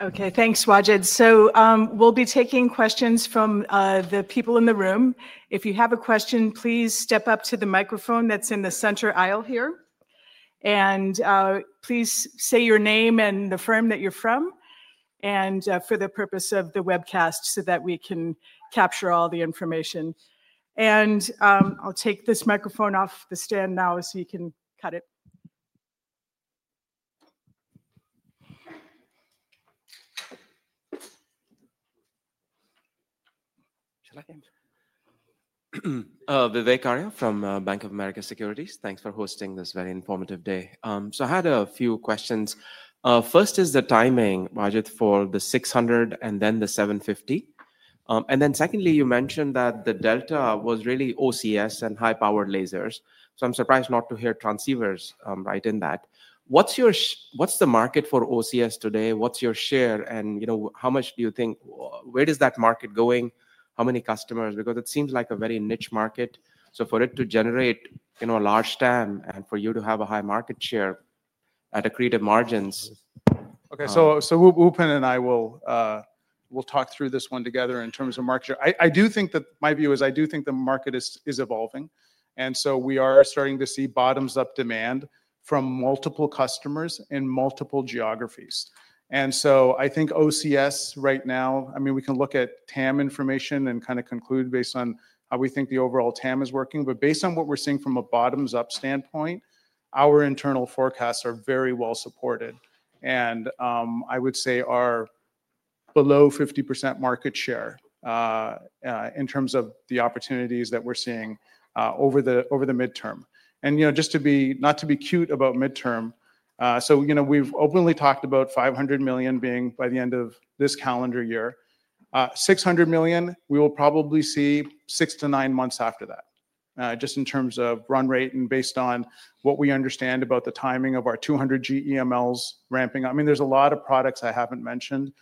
Okay. Thanks, Wajid. We will be taking questions from the people in the room. If you have a question, please step up to the microphone that is in the center aisle here. Please say your name and the firm that you are from for the purpose of the webcast so that we can capture all the information. I will take this microphone off the stand now so you can cut it. Vivek Arya from Bank of America Securities. Thanks for hosting this very informative day. I had a few questions. First is the timing, Wajid, for the $600 and then the $750. You mentioned that the delta was really OCS and high-power lasers. I am surprised not to hear transceivers right in that. What is the market for OCS today? What is your share? How much do you think, where is that market going? How many customers? It seems like a very niche market. For it to generate a large STEM and for you to have a high market share at accretive margins. Okay. Wupen and I will talk through this one together in terms of market share. I do think that my view is I do think the market is evolving. We are starting to see bottoms-up demand from multiple customers in multiple geographies. I think OCS right now, I mean, we can look at TAM information and kind of conclude based on how we think the overall TAM is working. Based on what we are seeing from a bottoms-up standpoint, our internal forecasts are very well supported. I would say our below 50% market share in terms of the opportunities that we are seeing over the midterm. Just to be not to be cute about midterm, we have openly talked about $500 million being by the end of this calendar year. $600 million, we will probably see six to nine months after that just in terms of run rate and based on what we understand about the timing of our 200G EMLs ramping up. I mean, there's a lot of products I haven't mentioned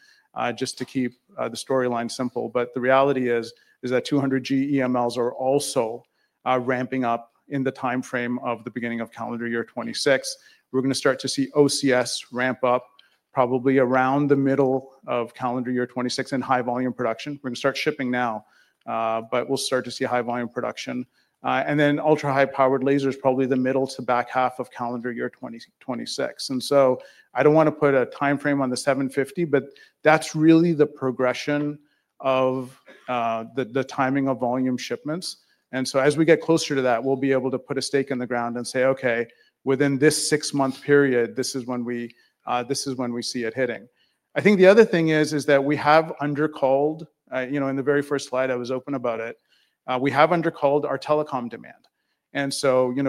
just to keep the storyline simple. The reality is that 200G EMLs are also ramping up in the timeframe of the beginning of calendar year 2026. We're going to start to see OCS ramp up probably around the middle of calendar year 2026 in high volume production. We're going to start shipping now, but we'll start to see high volume production. Ultra-high-powered lasers probably the middle to back half of calendar year 2026. I don't want to put a timeframe on the $750, but that's really the progression of the timing of volume shipments. As we get closer to that, we'll be able to put a stake in the ground and say, "Okay, within this six-month period, this is when we see it hitting." I think the other thing is that we have undercalled in the very first slide, I was open about it. We have undercalled our telecom demand.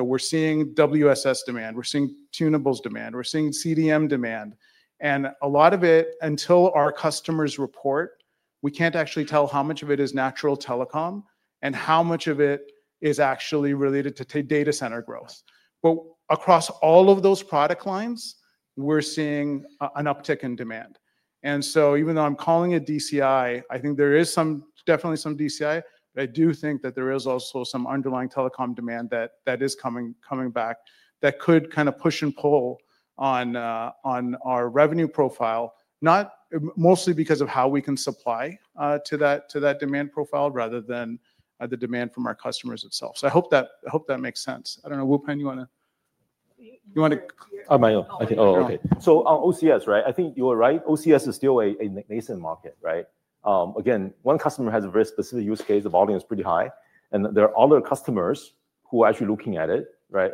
We're seeing WSS demand. We're seeing tunables demand. We're seeing CDM demand. A lot of it, until our customers report, we can't actually tell how much of it is natural telecom and how much of it is actually related to data center growth. Across all of those product lines, we're seeing an uptick in demand. Even though I'm calling it DCI, I think there is definitely some DCI. I do think that there is also some underlying telecom demand that is coming back that could kind of push and pull on our revenue profile, mostly because of how we can supply to that demand profile rather than the demand from our customers itself. I hope that makes sense. I do not know, Wupen, you want to. Oh, okay. So on OCS, right? I think you were right. OCS is still a nascent market, right? Again, one customer has a very specific use case. The volume is pretty high. And there are other customers who are actually looking at it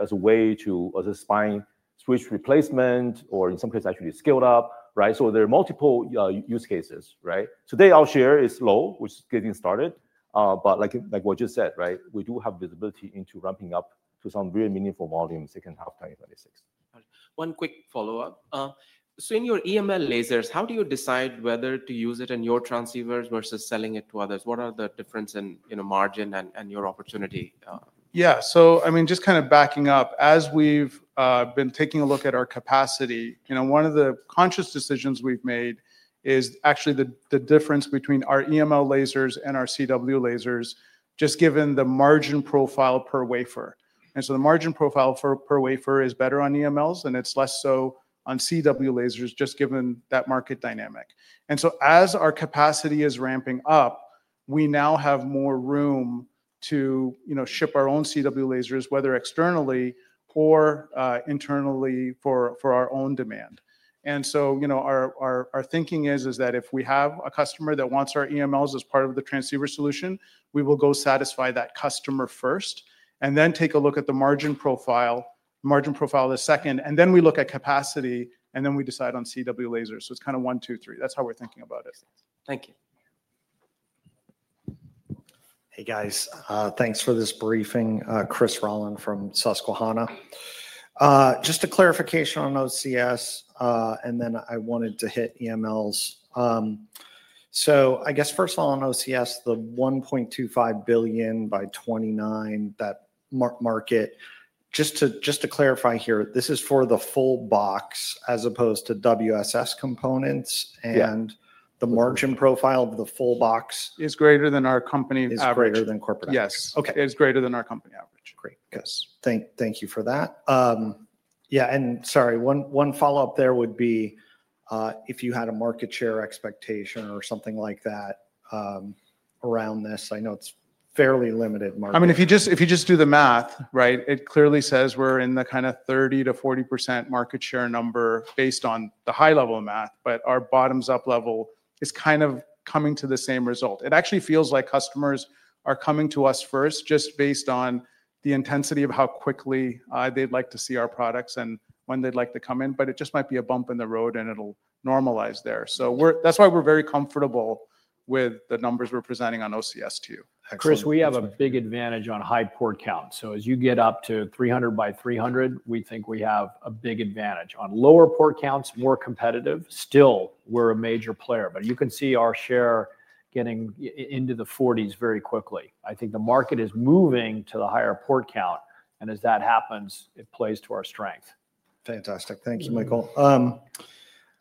as a way to either spine switch replacement or in some cases actually scale it up, right? So there are multiple use cases, right? Today, our share is low, which is getting started. But like what you said, right, we do have visibility into ramping up to some really meaningful volume second half of 2026. One quick follow-up. In your EML lasers, how do you decide whether to use it in your transceivers versus selling it to others? What are the differences in margin and your opportunity? Yeah. I mean, just kind of backing up, as we've been taking a look at our capacity, one of the conscious decisions we've made is actually the difference between our EML lasers and our CW lasers just given the margin profile per wafer. The margin profile per wafer is better on EMLs, and it's less so on CW lasers just given that market dynamic. As our capacity is ramping up, we now have more room to ship our own CW lasers, whether externally or internally for our own demand. Our thinking is that if we have a customer that wants our EMLs as part of the transceiver solution, we will go satisfy that customer first and then take a look at the margin profile the second. Then we look at capacity, and then we decide on CW lasers. It's kind of one, two, three. That's how we're thinking about it. Thank you. Hey, guys. Thanks for this briefing, Chris Rolland from Susquehanna. Just a clarification on OCS, and then I wanted to hit EMLs. First of all, on OCS, the $1.25 billion by 2029, that market, just to clarify here, this is for the full box as opposed to WSS components. And the margin profile of the full box. Is greater than our company average. Is greater than corporate average. Yes. Okay. Is greater than our company average. Great. Thank you for that. Yeah. Sorry, one follow-up there would be if you had a market share expectation or something like that around this. I know it's fairly limited market. I mean, if you just do the math, right, it clearly says we're in the kind of 30%-40% market share number based on the high-level math. But our bottoms-up level is kind of coming to the same result. It actually feels like customers are coming to us first just based on the intensity of how quickly they'd like to see our products and when they'd like to come in. But it just might be a bump in the road, and it'll normalize there. That's why we're very comfortable with the numbers we're presenting on OCS to you. Chris, we have a big advantage on high port count. As you get up to 300 by 300, we think we have a big advantage. On lower port counts, more competitive, still we're a major player. You can see our share getting into the 40s very quickly. I think the market is moving to the higher port count. As that happens, it plays to our strength. Fantastic. Thank you, Michael.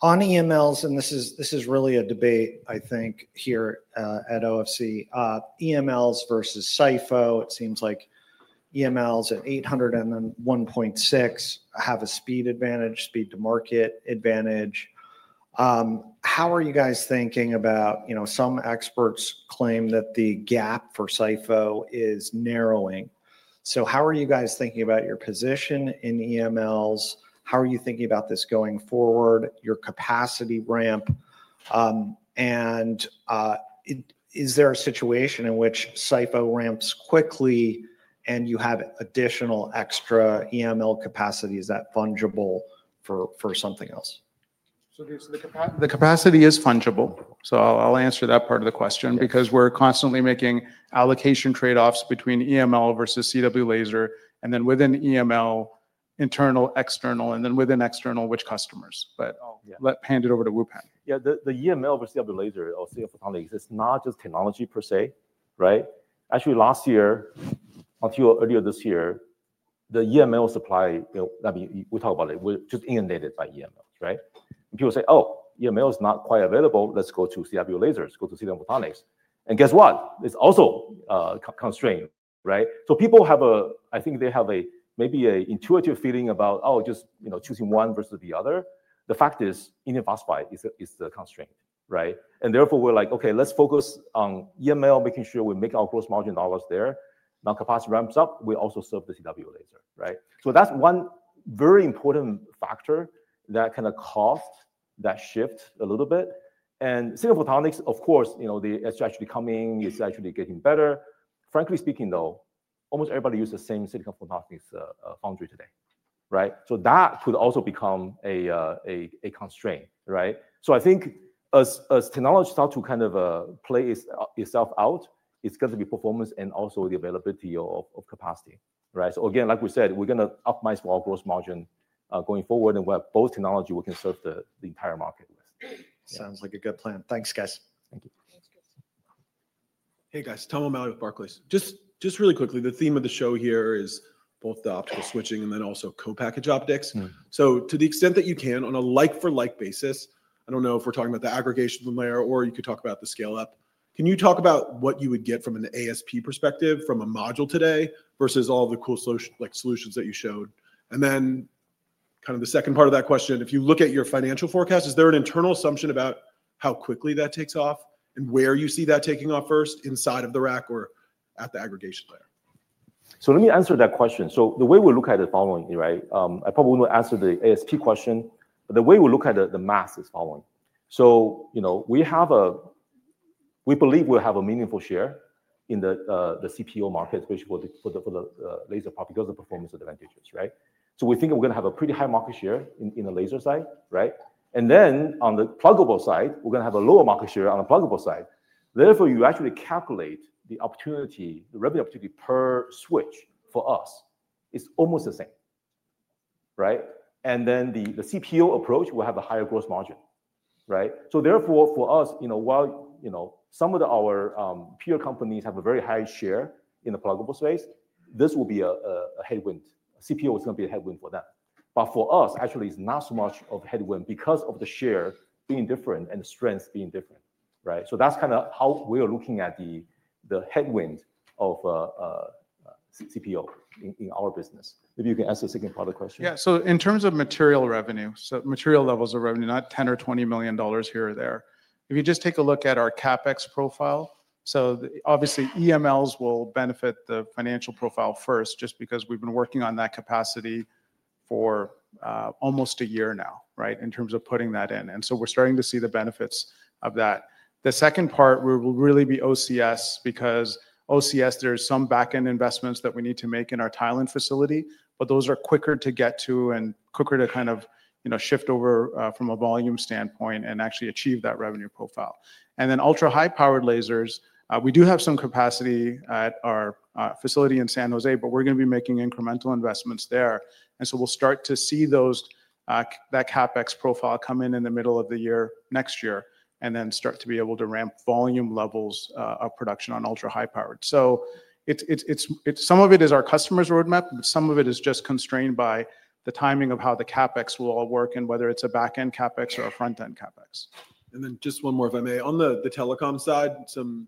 On EMLs, and this is really a debate, I think, here at OFC, EMLs versus SIFO, it seems like EMLs at 800 and then 1.6 have a speed advantage, speed-to-market advantage. How are you guys thinking about some experts claim that the gap for SIFO is narrowing. How are you guys thinking about your position in EMLs? How are you thinking about this going forward, your capacity ramp? Is there a situation in which SIFO ramps quickly and you have additional extra EML capacity? Is that fungible for something else? The capacity is fungible. I'll answer that part of the question because we're constantly making allocation trade-offs between EML versus CW laser and then within EML, internal, external, and then within external, which customers. I'll hand it over to Wupen. Yeah. The EML versus CW laser or CW photonics is not just technology per se, right? Actually, last year until earlier this year, the EML supply, I mean, we talk about it, was just inundated by EMLs, right? And people say, "Oh, EML is not quite available. Let's go to CW lasers, go to CW photonics." Guess what? It's also constrained, right? People have a, I think they have maybe an intuitive feeling about, "Oh, just choosing one versus the other." The fact is, indium phosphide is the constraint, right? Therefore, we're like, "Okay, let's focus on EML, making sure we make our gross margin dollars there." Now capacity ramps up, we also serve the CW laser, right? That's one very important factor that kind of caused that shift a little bit. Silicon photonics, of course, it's actually coming, it's actually getting better. Frankly speaking, though, almost everybody uses the same silicon photonics foundry today, right? That could also become a constraint, right? I think as technology starts to kind of play itself out, it's going to be performance and also the availability of capacity, right? Like we said, we're going to optimize for our gross margin going forward. We have both technology we can serve the entire market with. Sounds like a good plan. Thanks, guys. Thank you. Hey, guys. Tom O'Malley with Barclays. Just really quickly, the theme of the show here is both the optical switching and then also co-packaged optics. To the extent that you can on a like-for-like basis, I don't know if we're talking about the aggregation layer or you could talk about the scale-up, can you talk about what you would get from an ASP perspective from a module today versus all the cool solutions that you showed? Then kind of the second part of that question, if you look at your financial forecast, is there an internal assumption about how quickly that takes off and where you see that taking off first inside of the rack or at the aggregation layer? Let me answer that question. The way we look at it is following, right? I probably will not answer the ASP question, but the way we look at the math is following. We believe we'll have a meaningful share in the CPO market, especially for the laser part because of performance advantages, right? We think we're going to have a pretty high market share in the laser side, right? Then on the pluggable side, we're going to have a lower market share on the pluggable side. Therefore, you actually calculate the opportunity, the revenue opportunity per switch for us is almost the same, right? The CPO approach will have a higher gross margin, right? Therefore, for us, while some of our peer companies have a very high share in the pluggable space, this will be a headwind. CPO is going to be a headwind for them. For us, actually, it's not so much of a headwind because of the share being different and the strengths being different, right? That's kind of how we are looking at the headwind of CPO in our business. Maybe you can answer the second part of the question. Yeah. In terms of material revenue, so material levels of revenue, not $10 million or $20 million here or there, if you just take a look at our CapEx profile, obviously, EMLs will benefit the financial profile first just because we've been working on that capacity for almost a year now, right, in terms of putting that in. We're starting to see the benefits of that. The second part will really be OCS because OCS, there's some backend investments that we need to make in our Thailand facility, but those are quicker to get to and quicker to kind of shift over from a volume standpoint and actually achieve that revenue profile. Then ultra-high-power lasers, we do have some capacity at our facility in San Jose, but we're going to be making incremental investments there. We will start to see that CapEx profile come in in the middle of the year next year and then start to be able to ramp volume levels of production on ultra-high-powered. Some of it is our customer's roadmap, but some of it is just constrained by the timing of how the CapEx will all work and whether it's a backend CapEx or a frontend CapEx. Just one more, if I may. On the telecom side, some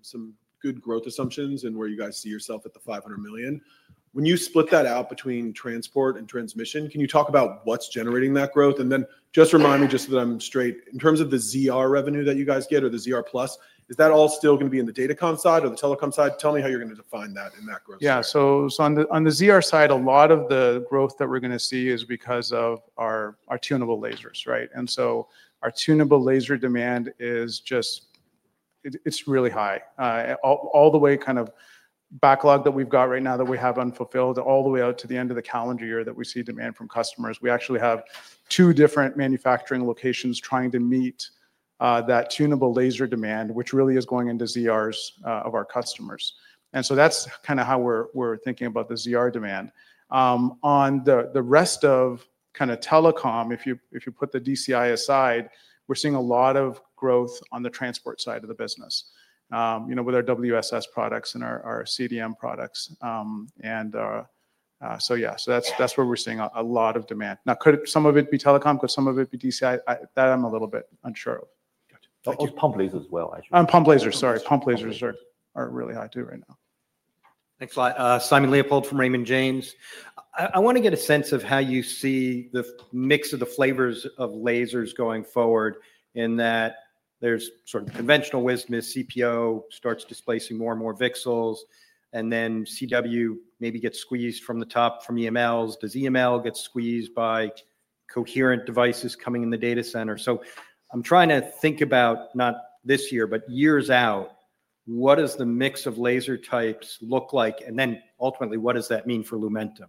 good growth assumptions and where you guys see yourself at the $500 million. When you split that out between transport and transmission, can you talk about what's generating that growth? Just remind me just so that I'm straight, in terms of the ZR revenue that you guys get or the ZR plus, is that all still going to be in the data comm side or the telecom side? Tell me how you're going to define that in that growth. Yeah. On the ZR side, a lot of the growth that we're going to see is because of our tunable lasers, right? Our tunable laser demand is just, it's really high. All the way kind of backlog that we've got right now that we have unfulfilled all the way out to the end of the calendar year that we see demand from customers. We actually have two different manufacturing locations trying to meet that tunable laser demand, which really is going into ZRs of our customers. That's kind of how we're thinking about the ZR demand. On the rest of kind of telecom, if you put the DCI aside, we're seeing a lot of growth on the transport side of the business with our WSS products and our CDM products. That's where we're seeing a lot of demand. Now, could some of it be telecom? Could some of it be DCI? That I'm a little bit unsure of. Pump lasers as well, actually. Pump lasers, sorry. Pump lasers are really high too right now. Thanks, Simon. Leopold from Raymond James. I want to get a sense of how you see the mix of the flavors of lasers going forward in that there's sort of conventional wisdom as CPO starts displacing more and more VCSELs, and then CW maybe gets squeezed from the top from EMLs. Does EML get squeezed by coherent devices coming in the data center? I'm trying to think about not this year, but years out, what does the mix of laser types look like? Ultimately, what does that mean for Lumentum?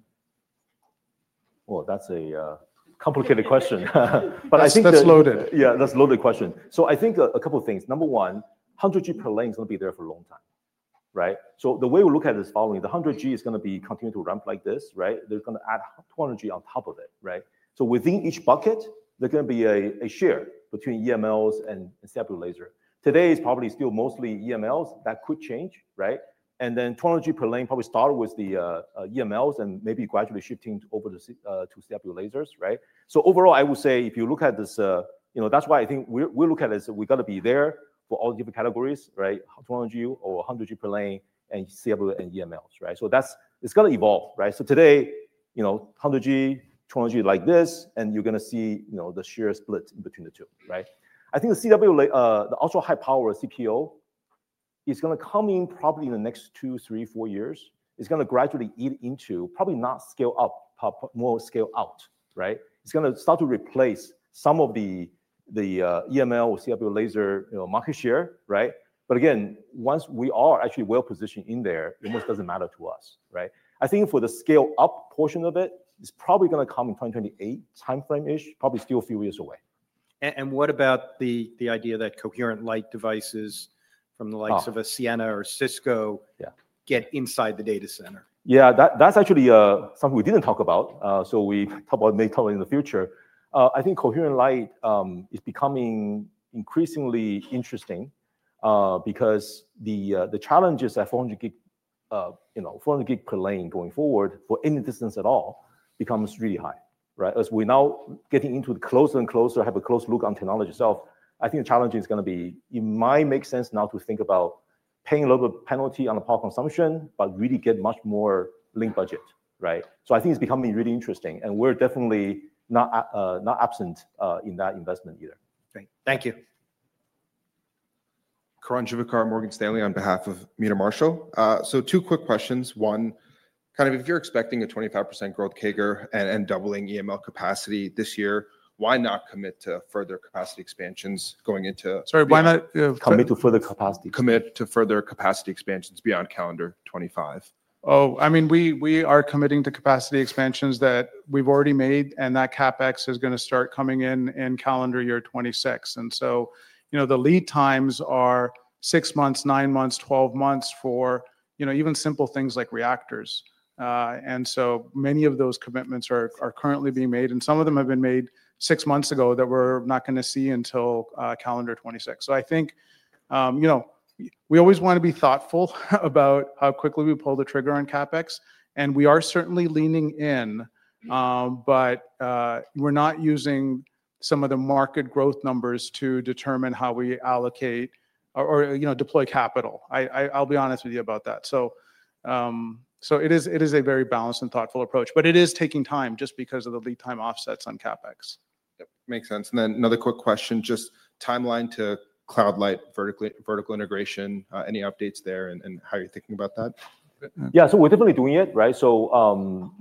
That's a complicated question. That's loaded. Yeah, that's a loaded question. I think a couple of things. Number one, 100G per lane is going to be there for a long time, right? The way we look at it is following. The 100G is going to be continuing to ramp like this, right? There's going to add 200G on top of it, right? Within each bucket, there's going to be a share between EMLs and CW laser. Today is probably still mostly EMLs. That could change, right? 200G per lane probably started with the EMLs and maybe gradually shifting over to CW lasers, right? Overall, I would say if you look at this, that's why I think we look at it as we've got to be there for all different categories, right? 200G or 100G per lane and CW and EMLs, right? It's going to evolve, right? Today, 100G, 200G like this, and you're going to see the sheer split in between the two, right? I think the CW, the ultra-high-power CPO, is going to come in probably in the next two, three, four years. It's going to gradually eat into, probably not scale up, more scale out, right? It's going to start to replace some of the EML or CW laser market share, right? Again, once we are actually well positioned in there, it almost doesn't matter to us, right? I think for the scale-up portion of it, it's probably going to come in 2028 timeframe-ish, probably still a few years away. What about the idea that coherent light devices from the likes of Ciena or Cisco get inside the data center? Yeah, that's actually something we didn't talk about. We may talk about it in the future. I think coherent light is becoming increasingly interesting because the challenges at 400G per lane going forward for any distance at all becomes really high, right? As we're now getting closer and closer, have a close look on technology itself, I think the challenge is going to be, it might make sense now to think about paying a little bit of penalty on the power consumption, but really get much more low budget, right? I think it's becoming really interesting. We're definitely not absent in that investment either. Great. Thank you. Karan Juvekar and Morgan Stanley on behalf of Meta Marshall. Two quick questions. One, kind of if you're expecting a 25% growth CAGR and doubling EML capacity this year, why not commit to further capacity expansions going into. Sorry, why not? Commit to further capacity. Commit to further capacity expansions beyond calendar 2025? Oh, I mean, we are committing to capacity expansions that we've already made, and that CapEx is going to start coming in in calendar year 2026. The lead times are six months, nine months, twelve months for even simple things like reactors. Many of those commitments are currently being made, and some of them have been made six months ago that we're not going to see until calendar 2026. I think we always want to be thoughtful about how quickly we pull the trigger on CapEx, and we are certainly leaning in, but we're not using some of the market growth numbers to determine how we allocate or deploy capital. I'll be honest with you about that. It is a very balanced and thoughtful approach, but it is taking time just because of the lead time offsets on CapEx. Yep. Makes sense. Another quick question, just timeline to CloudLight vertical integration, any updates there, and how you're thinking about that? Yeah. We're definitely doing it, right? As you know,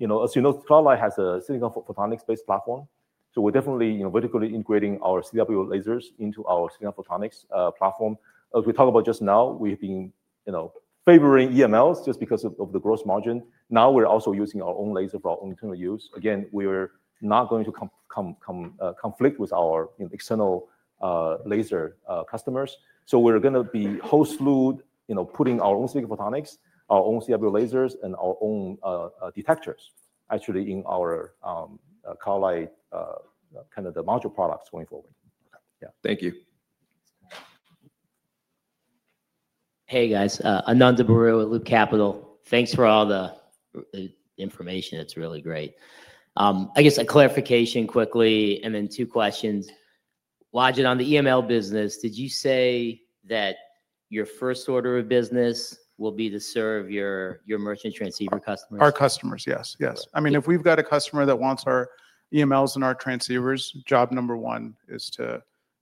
CloudLight has a silicon photonics-based platform. We're definitely vertically integrating our CW lasers into our silicon photonics platform. As we talked about just now, we've been favoring EMLs just because of the gross margin. Now we're also using our own laser for our own internal use. Again, we're not going to conflict with our external laser customers. We're going to be whole slew, putting our own silicon photonics, our own CW lasers, and our own detectors actually in our CloudLight kind of the module products going forward. Yeah. Thank you. Hey, guys. Ananda Baruah at Loop Capital. Thanks for all the information. It's really great. I guess a clarification quickly, and then two questions. Wajid, on the EML business, did you say that your first order of business will be to serve your merchant transceiver customers? Our customers, yes. Yes. I mean, if we've got a customer that wants our EMLs and our transceivers, job number one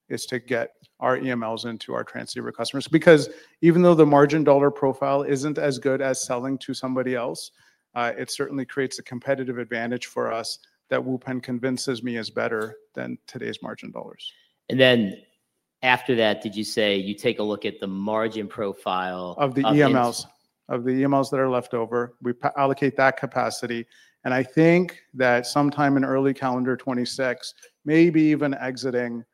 is to get our EMLs into our transceiver customers. Because even though the margin dollar profile isn't as good as selling to somebody else, it certainly creates a competitive advantage for us that Wupen convinces me is better than today's margin dollars. After that, did you say you take a look at the margin profile? Of the EMLs. Of the EMLs that are left over, we allocate that capacity. I think that sometime in early calendar 2026, maybe even exiting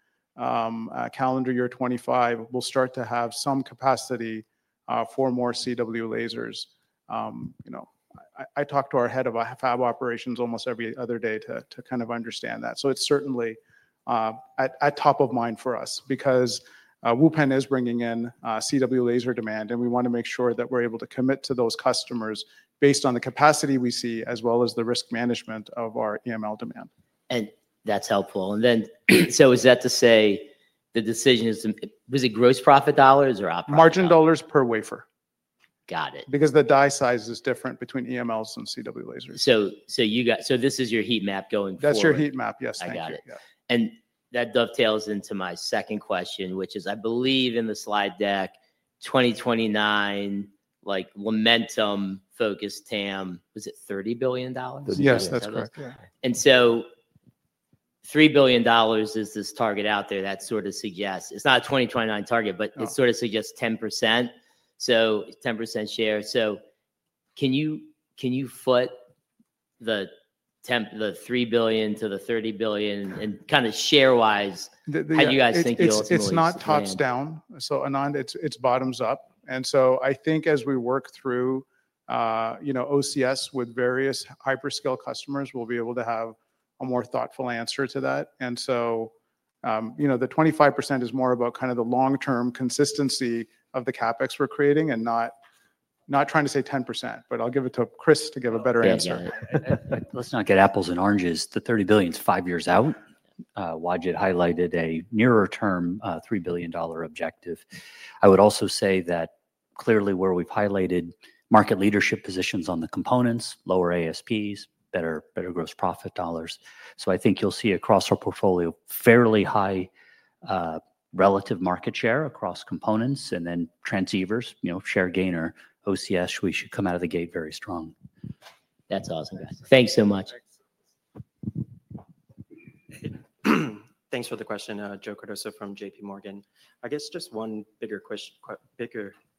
calendar year 2025, we'll start to have some capacity for more CW lasers. I talk to our head of fab operations almost every other day to kind of understand that. It is certainly at top of mind for us because Wupen is bringing in CW laser demand, and we want to make sure that we're able to commit to those customers based on the capacity we see as well as the risk management of our EML demand. That's helpful. Is that to say the decision is, was it gross profit dollars or operating? Margin dollars per wafer. Got it. Because the die size is different between EMLs and CW lasers. Is this your heat map going forward? That's your heat map. Yes, that's right. I got it. That dovetails into my second question, which is I believe in the slide deck, 2029, like Lumentum focused TAM, was it $30 billion? Yes, that's correct. $3 billion is this target out there that sort of suggests, it's not a 2029 target, but it sort of suggests 10%. So 10% share. Can you foot the $3 billion to the $30 billion and kind of share-wise, how do you guys think you'll smooth it out? It's not tops down. Anand, it's bottoms up. I think as we work through OCS with various hyperscale customers, we'll be able to have a more thoughtful answer to that. The 25% is more about kind of the long-term consistency of the CapEx we're creating and not trying to say 10%, but I'll give it to Chris to give a better answer. Let's not get apples and oranges. The $30 billion is five years out. Wajid highlighted a nearer-term $3 billion objective. I would also say that clearly where we've highlighted market leadership positions on the components, lower ASPs, better gross profit dollars. I think you'll see across our portfolio fairly high relative market share across components and then transceivers, share gainer, OCS, we should come out of the gate very strong. That's awesome, guys. Thanks so much. Thanks for the question, Joe Cardoso from JP Morgan. I guess just one bigger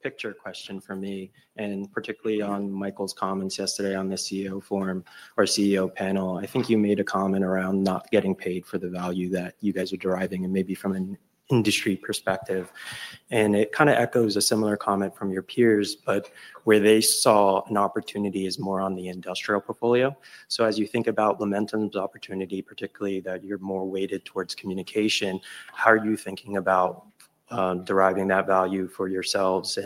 picture question for me, and particularly on Michael's comments yesterday on the CEO forum or CEO panel, I think you made a comment around not getting paid for the value that you guys are deriving and maybe from an industry perspective. It kind of echoes a similar comment from your peers, but where they saw an opportunity is more on the industrial portfolio. As you think about Lumentum's opportunity, particularly that you're more weighted towards communication, how are you thinking about deriving that value for yourselves?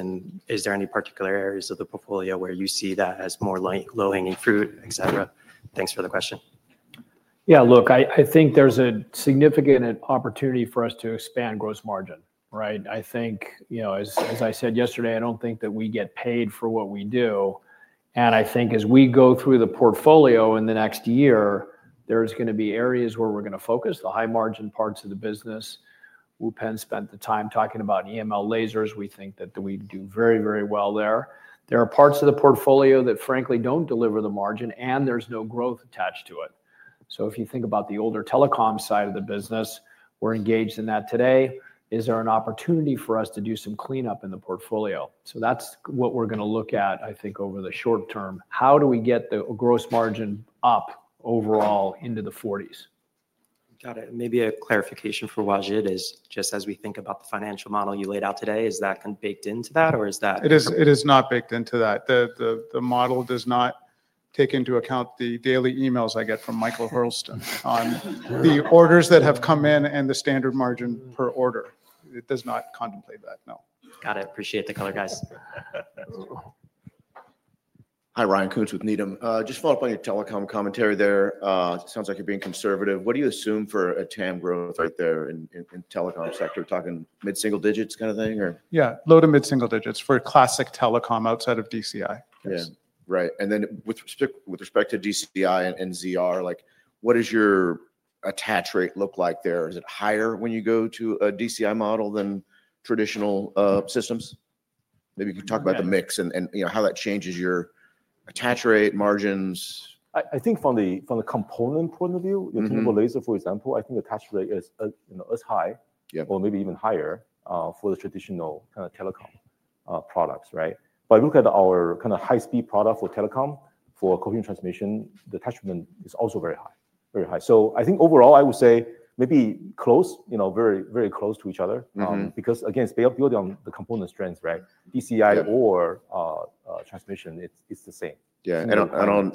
Is there any particular areas of the portfolio where you see that as more low-hanging fruit, etc.? Thanks for the question. Yeah, look, I think there's a significant opportunity for us to expand gross margin, right? I think, as I said yesterday, I don't think that we get paid for what we do. I think as we go through the portfolio in the next year, there's going to be areas where we're going to focus the high-margin parts of the business. Wupen spent the time talking about EML lasers. We think that we do very, very well there. There are parts of the portfolio that frankly don't deliver the margin, and there's no growth attached to it. If you think about the older telecom side of the business, we're engaged in that today. Is there an opportunity for us to do some cleanup in the portfolio? That's what we're going to look at, I think, over the short term. How do we get the gross margin up overall into the 40s? Got it. Maybe a clarification for Wajid is just as we think about the financial model you laid out today, is that kind of baked into that, or is that? It is not baked into that. The model does not take into account the daily emails I get from Michael Hurlston on the orders that have come in and the standard margin per order. It does not contemplate that, no. Got it. Appreciate the color, guys. Hi, Ryan Koontz with Needham. Just followed up on your telecom commentary there. Sounds like you're being conservative. What do you assume for a TAM growth right there in the telecom sector? We're talking mid-single digits kind of thing, or? Yeah, low to mid-single digits for classic telecom outside of DCI. Yeah, right. And then with respect to DCI and NZR, what does your attach rate look like there? Is it higher when you go to a DCI model than traditional systems? Maybe you could talk about the mix and how that changes your attach rate, margins. I think from the component point of view, your typical laser, for example, I think the attach rate is as high or maybe even higher for the traditional kind of telecom products, right? But look at our kind of high-speed product for telecom, for coherent transmission, the attachment is also very high, very high. I think overall, I would say maybe close, very close to each other because, again, it's built on the component strength, right? DCI or transmission, it's the same. Yeah. And on.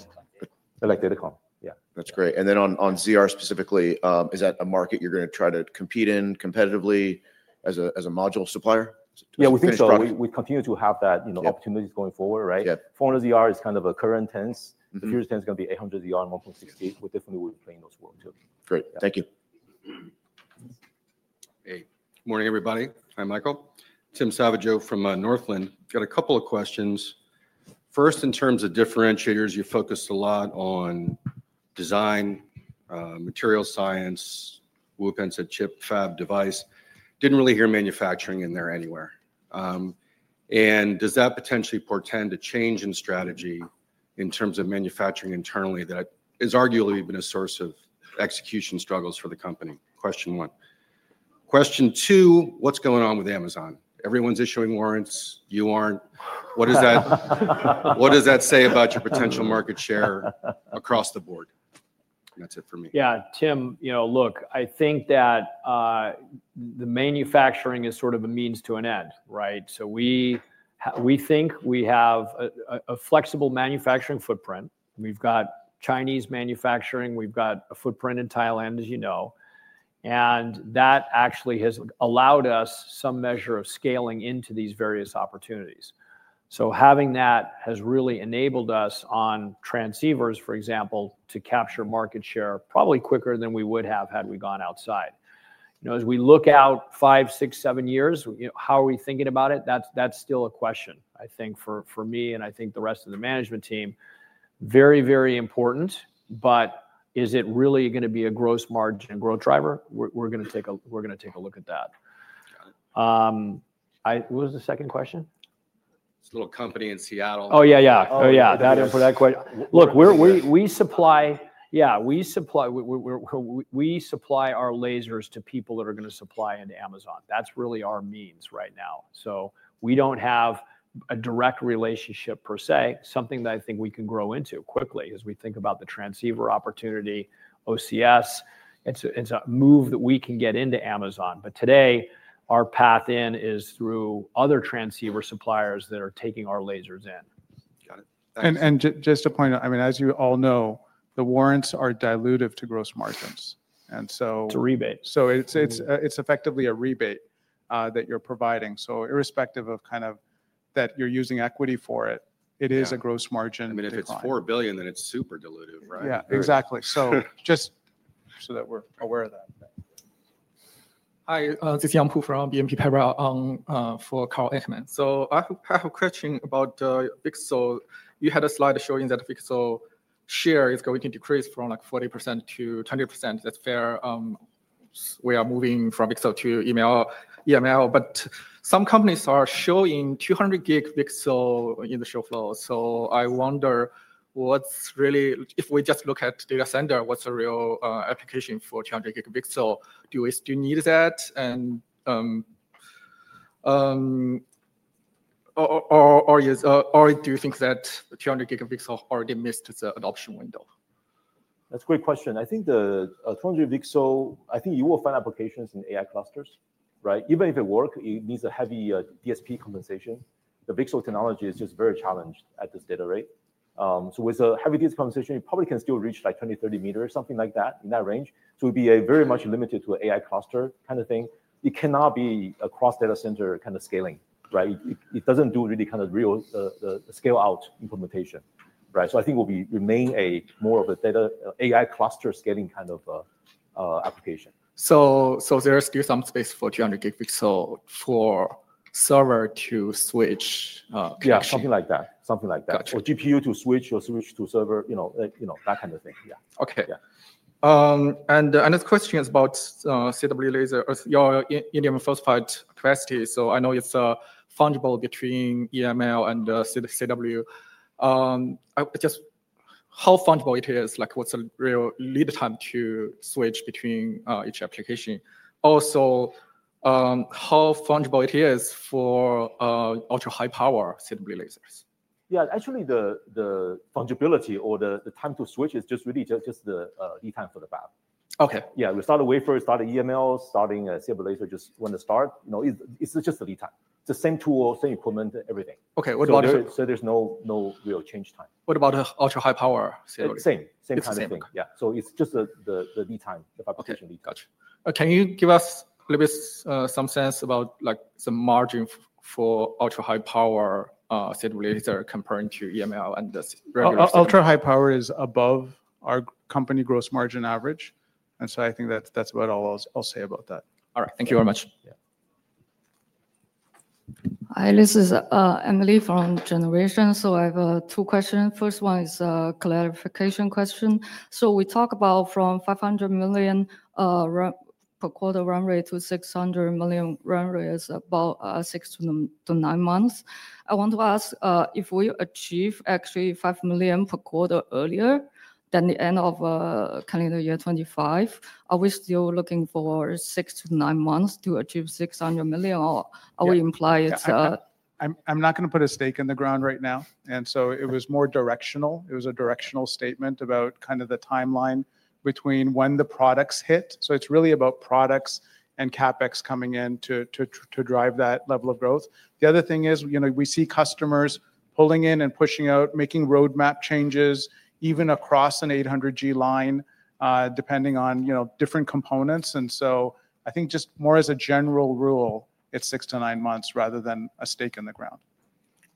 Like data com, yeah. That's great. On ZR specifically, is that a market you're going to try to compete in competitively as a module supplier? Yeah, we think so. We continue to have that opportunity going forward, right? 400ZR is kind of a current tense. The future tense is going to be 800ZR and 1.6-T. We definitely will be playing those work too. Great. Thank you. Hey. Good morning, everybody. Hi, Michael. Tim Savageaux from Northland. Got a couple of questions. First, in terms of differentiators, you focused a lot on design, material science, Wupen said chip, fab, device. Didn't really hear manufacturing in there anywhere. Does that potentially portend a change in strategy in terms of manufacturing internally that has arguably been a source of execution struggles for the company? Question one. Question two, what's going on with Amazon? Everyone's issuing warrants. You aren't. What does that say about your potential market share across the board? That's it for me. Yeah, Tim, look, I think that the manufacturing is sort of a means to an end, right? We think we have a flexible manufacturing footprint. We've got Chinese manufacturing. We've got a footprint in Thailand, as you know. That actually has allowed us some measure of scaling into these various opportunities. Having that has really enabled us on transceivers, for example, to capture market share probably quicker than we would have had we gone outside. As we look out five, six, seven years, how are we thinking about it? That's still a question, I think, for me and I think the rest of the management team. Very, very important, but is it really going to be a gross margin growth driver? We're going to take a look at that. What was the second question? It's a little company in Seattle. Oh, yeah, yeah. Oh, yeah. Thanks for that question. Look, we supply, yeah, we supply our lasers to people that are going to supply into Amazon. That's really our means right now. We don't have a direct relationship per se, something that I think we can grow into quickly as we think about the transceiver opportunity, OCS. It's a move that we can get into Amazon. Today, our path in is through other transceiver suppliers that are taking our lasers in. Got it. Just to point out, I mean, as you all know, the warrants are dilutive to gross margins. It's a rebate. It is effectively a rebate that you're providing. Irrespective of kind of that you're using equity for it, it is a gross margin decline. I mean, if it's $4 billion, then it's super dilutive, right? Yeah, exactly. Just so that we're aware of that. Hi, this is Yang Pu from BNP Paribas for Carl Ahman. I have a question about Pixel. You had a slide showing that Pixel share is going to decrease from like 40% to 20%. That's fair. We are moving from Pixel to EML. Some companies are showing 200 gig Pixel in the show floor. I wonder what's really, if we just look at data center, what's the real application for 200 gig Pixel? Do we still need that? Do you think that 200 gig Pixel already missed the adoption window? That's a great question. I think the 200 gig Pixel, I think you will find applications in AI clusters, right? Even if it works, it needs a heavy DSP compensation. The Pixel technology is just very challenged at this data rate. With a heavy DSP compensation, you probably can still reach like 20 m-30 m, something like that, in that range. It would be very much limited to an AI cluster kind of thing. It cannot be a cross data center kind of scaling, right? It does not do really kind of real scale-out implementation, right? I think it will remain more of a data AI cluster scaling kind of application. There is still some space for 200 gig EMLs for server to switch connection? Yeah, something like that. Something like that. Or GPU to switch or switch to server, that kind of thing. Yeah. Okay. The next question is about CW laser. You're in your first flight capacity. I know it's fungible between EML and CW. Just how fungible it is, like what's the real lead time to switch between each application? Also, how fungible it is for ultra-high power CW lasers? Yeah, actually the fungibility or the time to switch is just really just the lead time for the fab. Okay. Yeah, we started wafer, started EML, starting a CW laser just when it starts. It's just the lead time. It's the same tool, same equipment, everything. Okay. What about? There is no real change time. What about ultra-high power CW? Same. Same kind of thing. Yeah. It's just the lead time, the fabrication lead time. Gotcha. Can you give us a little bit some sense about the margin for ultra-high power CW laser comparing to EML and the regular CW? Ultra-high power is above our company gross margin average. I think that's about all I'll say about that. All right. Thank you very much. Hi, this is Emily from Generation. I have two questions. First one is a clarification question. We talked about from $500 million per quarter run rate to $600 million run rate is about six to nine months. I want to ask if we achieve actually $500 million per quarter earlier than the end of calendar year 2025, are we still looking for six to nine months to achieve $600 million, or are we imply it's? I'm not going to put a stake in the ground right now. It was more directional. It was a directional statement about kind of the timeline between when the products hit. It's really about products and CapEx coming in to drive that level of growth. The other thing is we see customers pulling in and pushing out, making roadmap changes, even across an 800G line, depending on different components. I think just more as a general rule, it's six to nine months rather than a stake in the ground.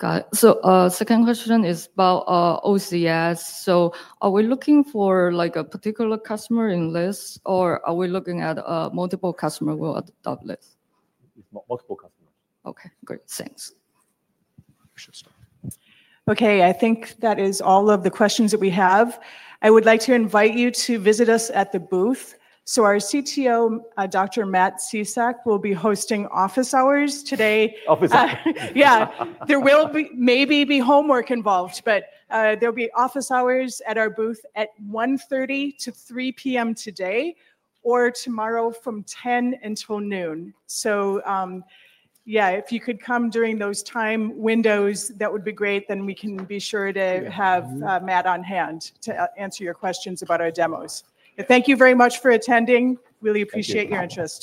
Got it. Second question is about OCS. Are we looking for a particular customer in list, or are we looking at multiple customers who are top list? Multiple customers. Okay. Great. Thanks. Okay. I think that is all of the questions that we have. I would like to invite you to visit us at the booth. Our CTO, Dr. Matt Cusack, will be hosting office hours today. Office hours. Yeah. There will maybe be homework involved, but there'll be office hours at our booth at 1:30-3:00 P.M. today or tomorrow from 10:00 until noon. Yeah, if you could come during those time windows, that would be great. We can be sure to have Matt on hand to answer your questions about our demos. Thank you very much for attending. Really appreciate your interest.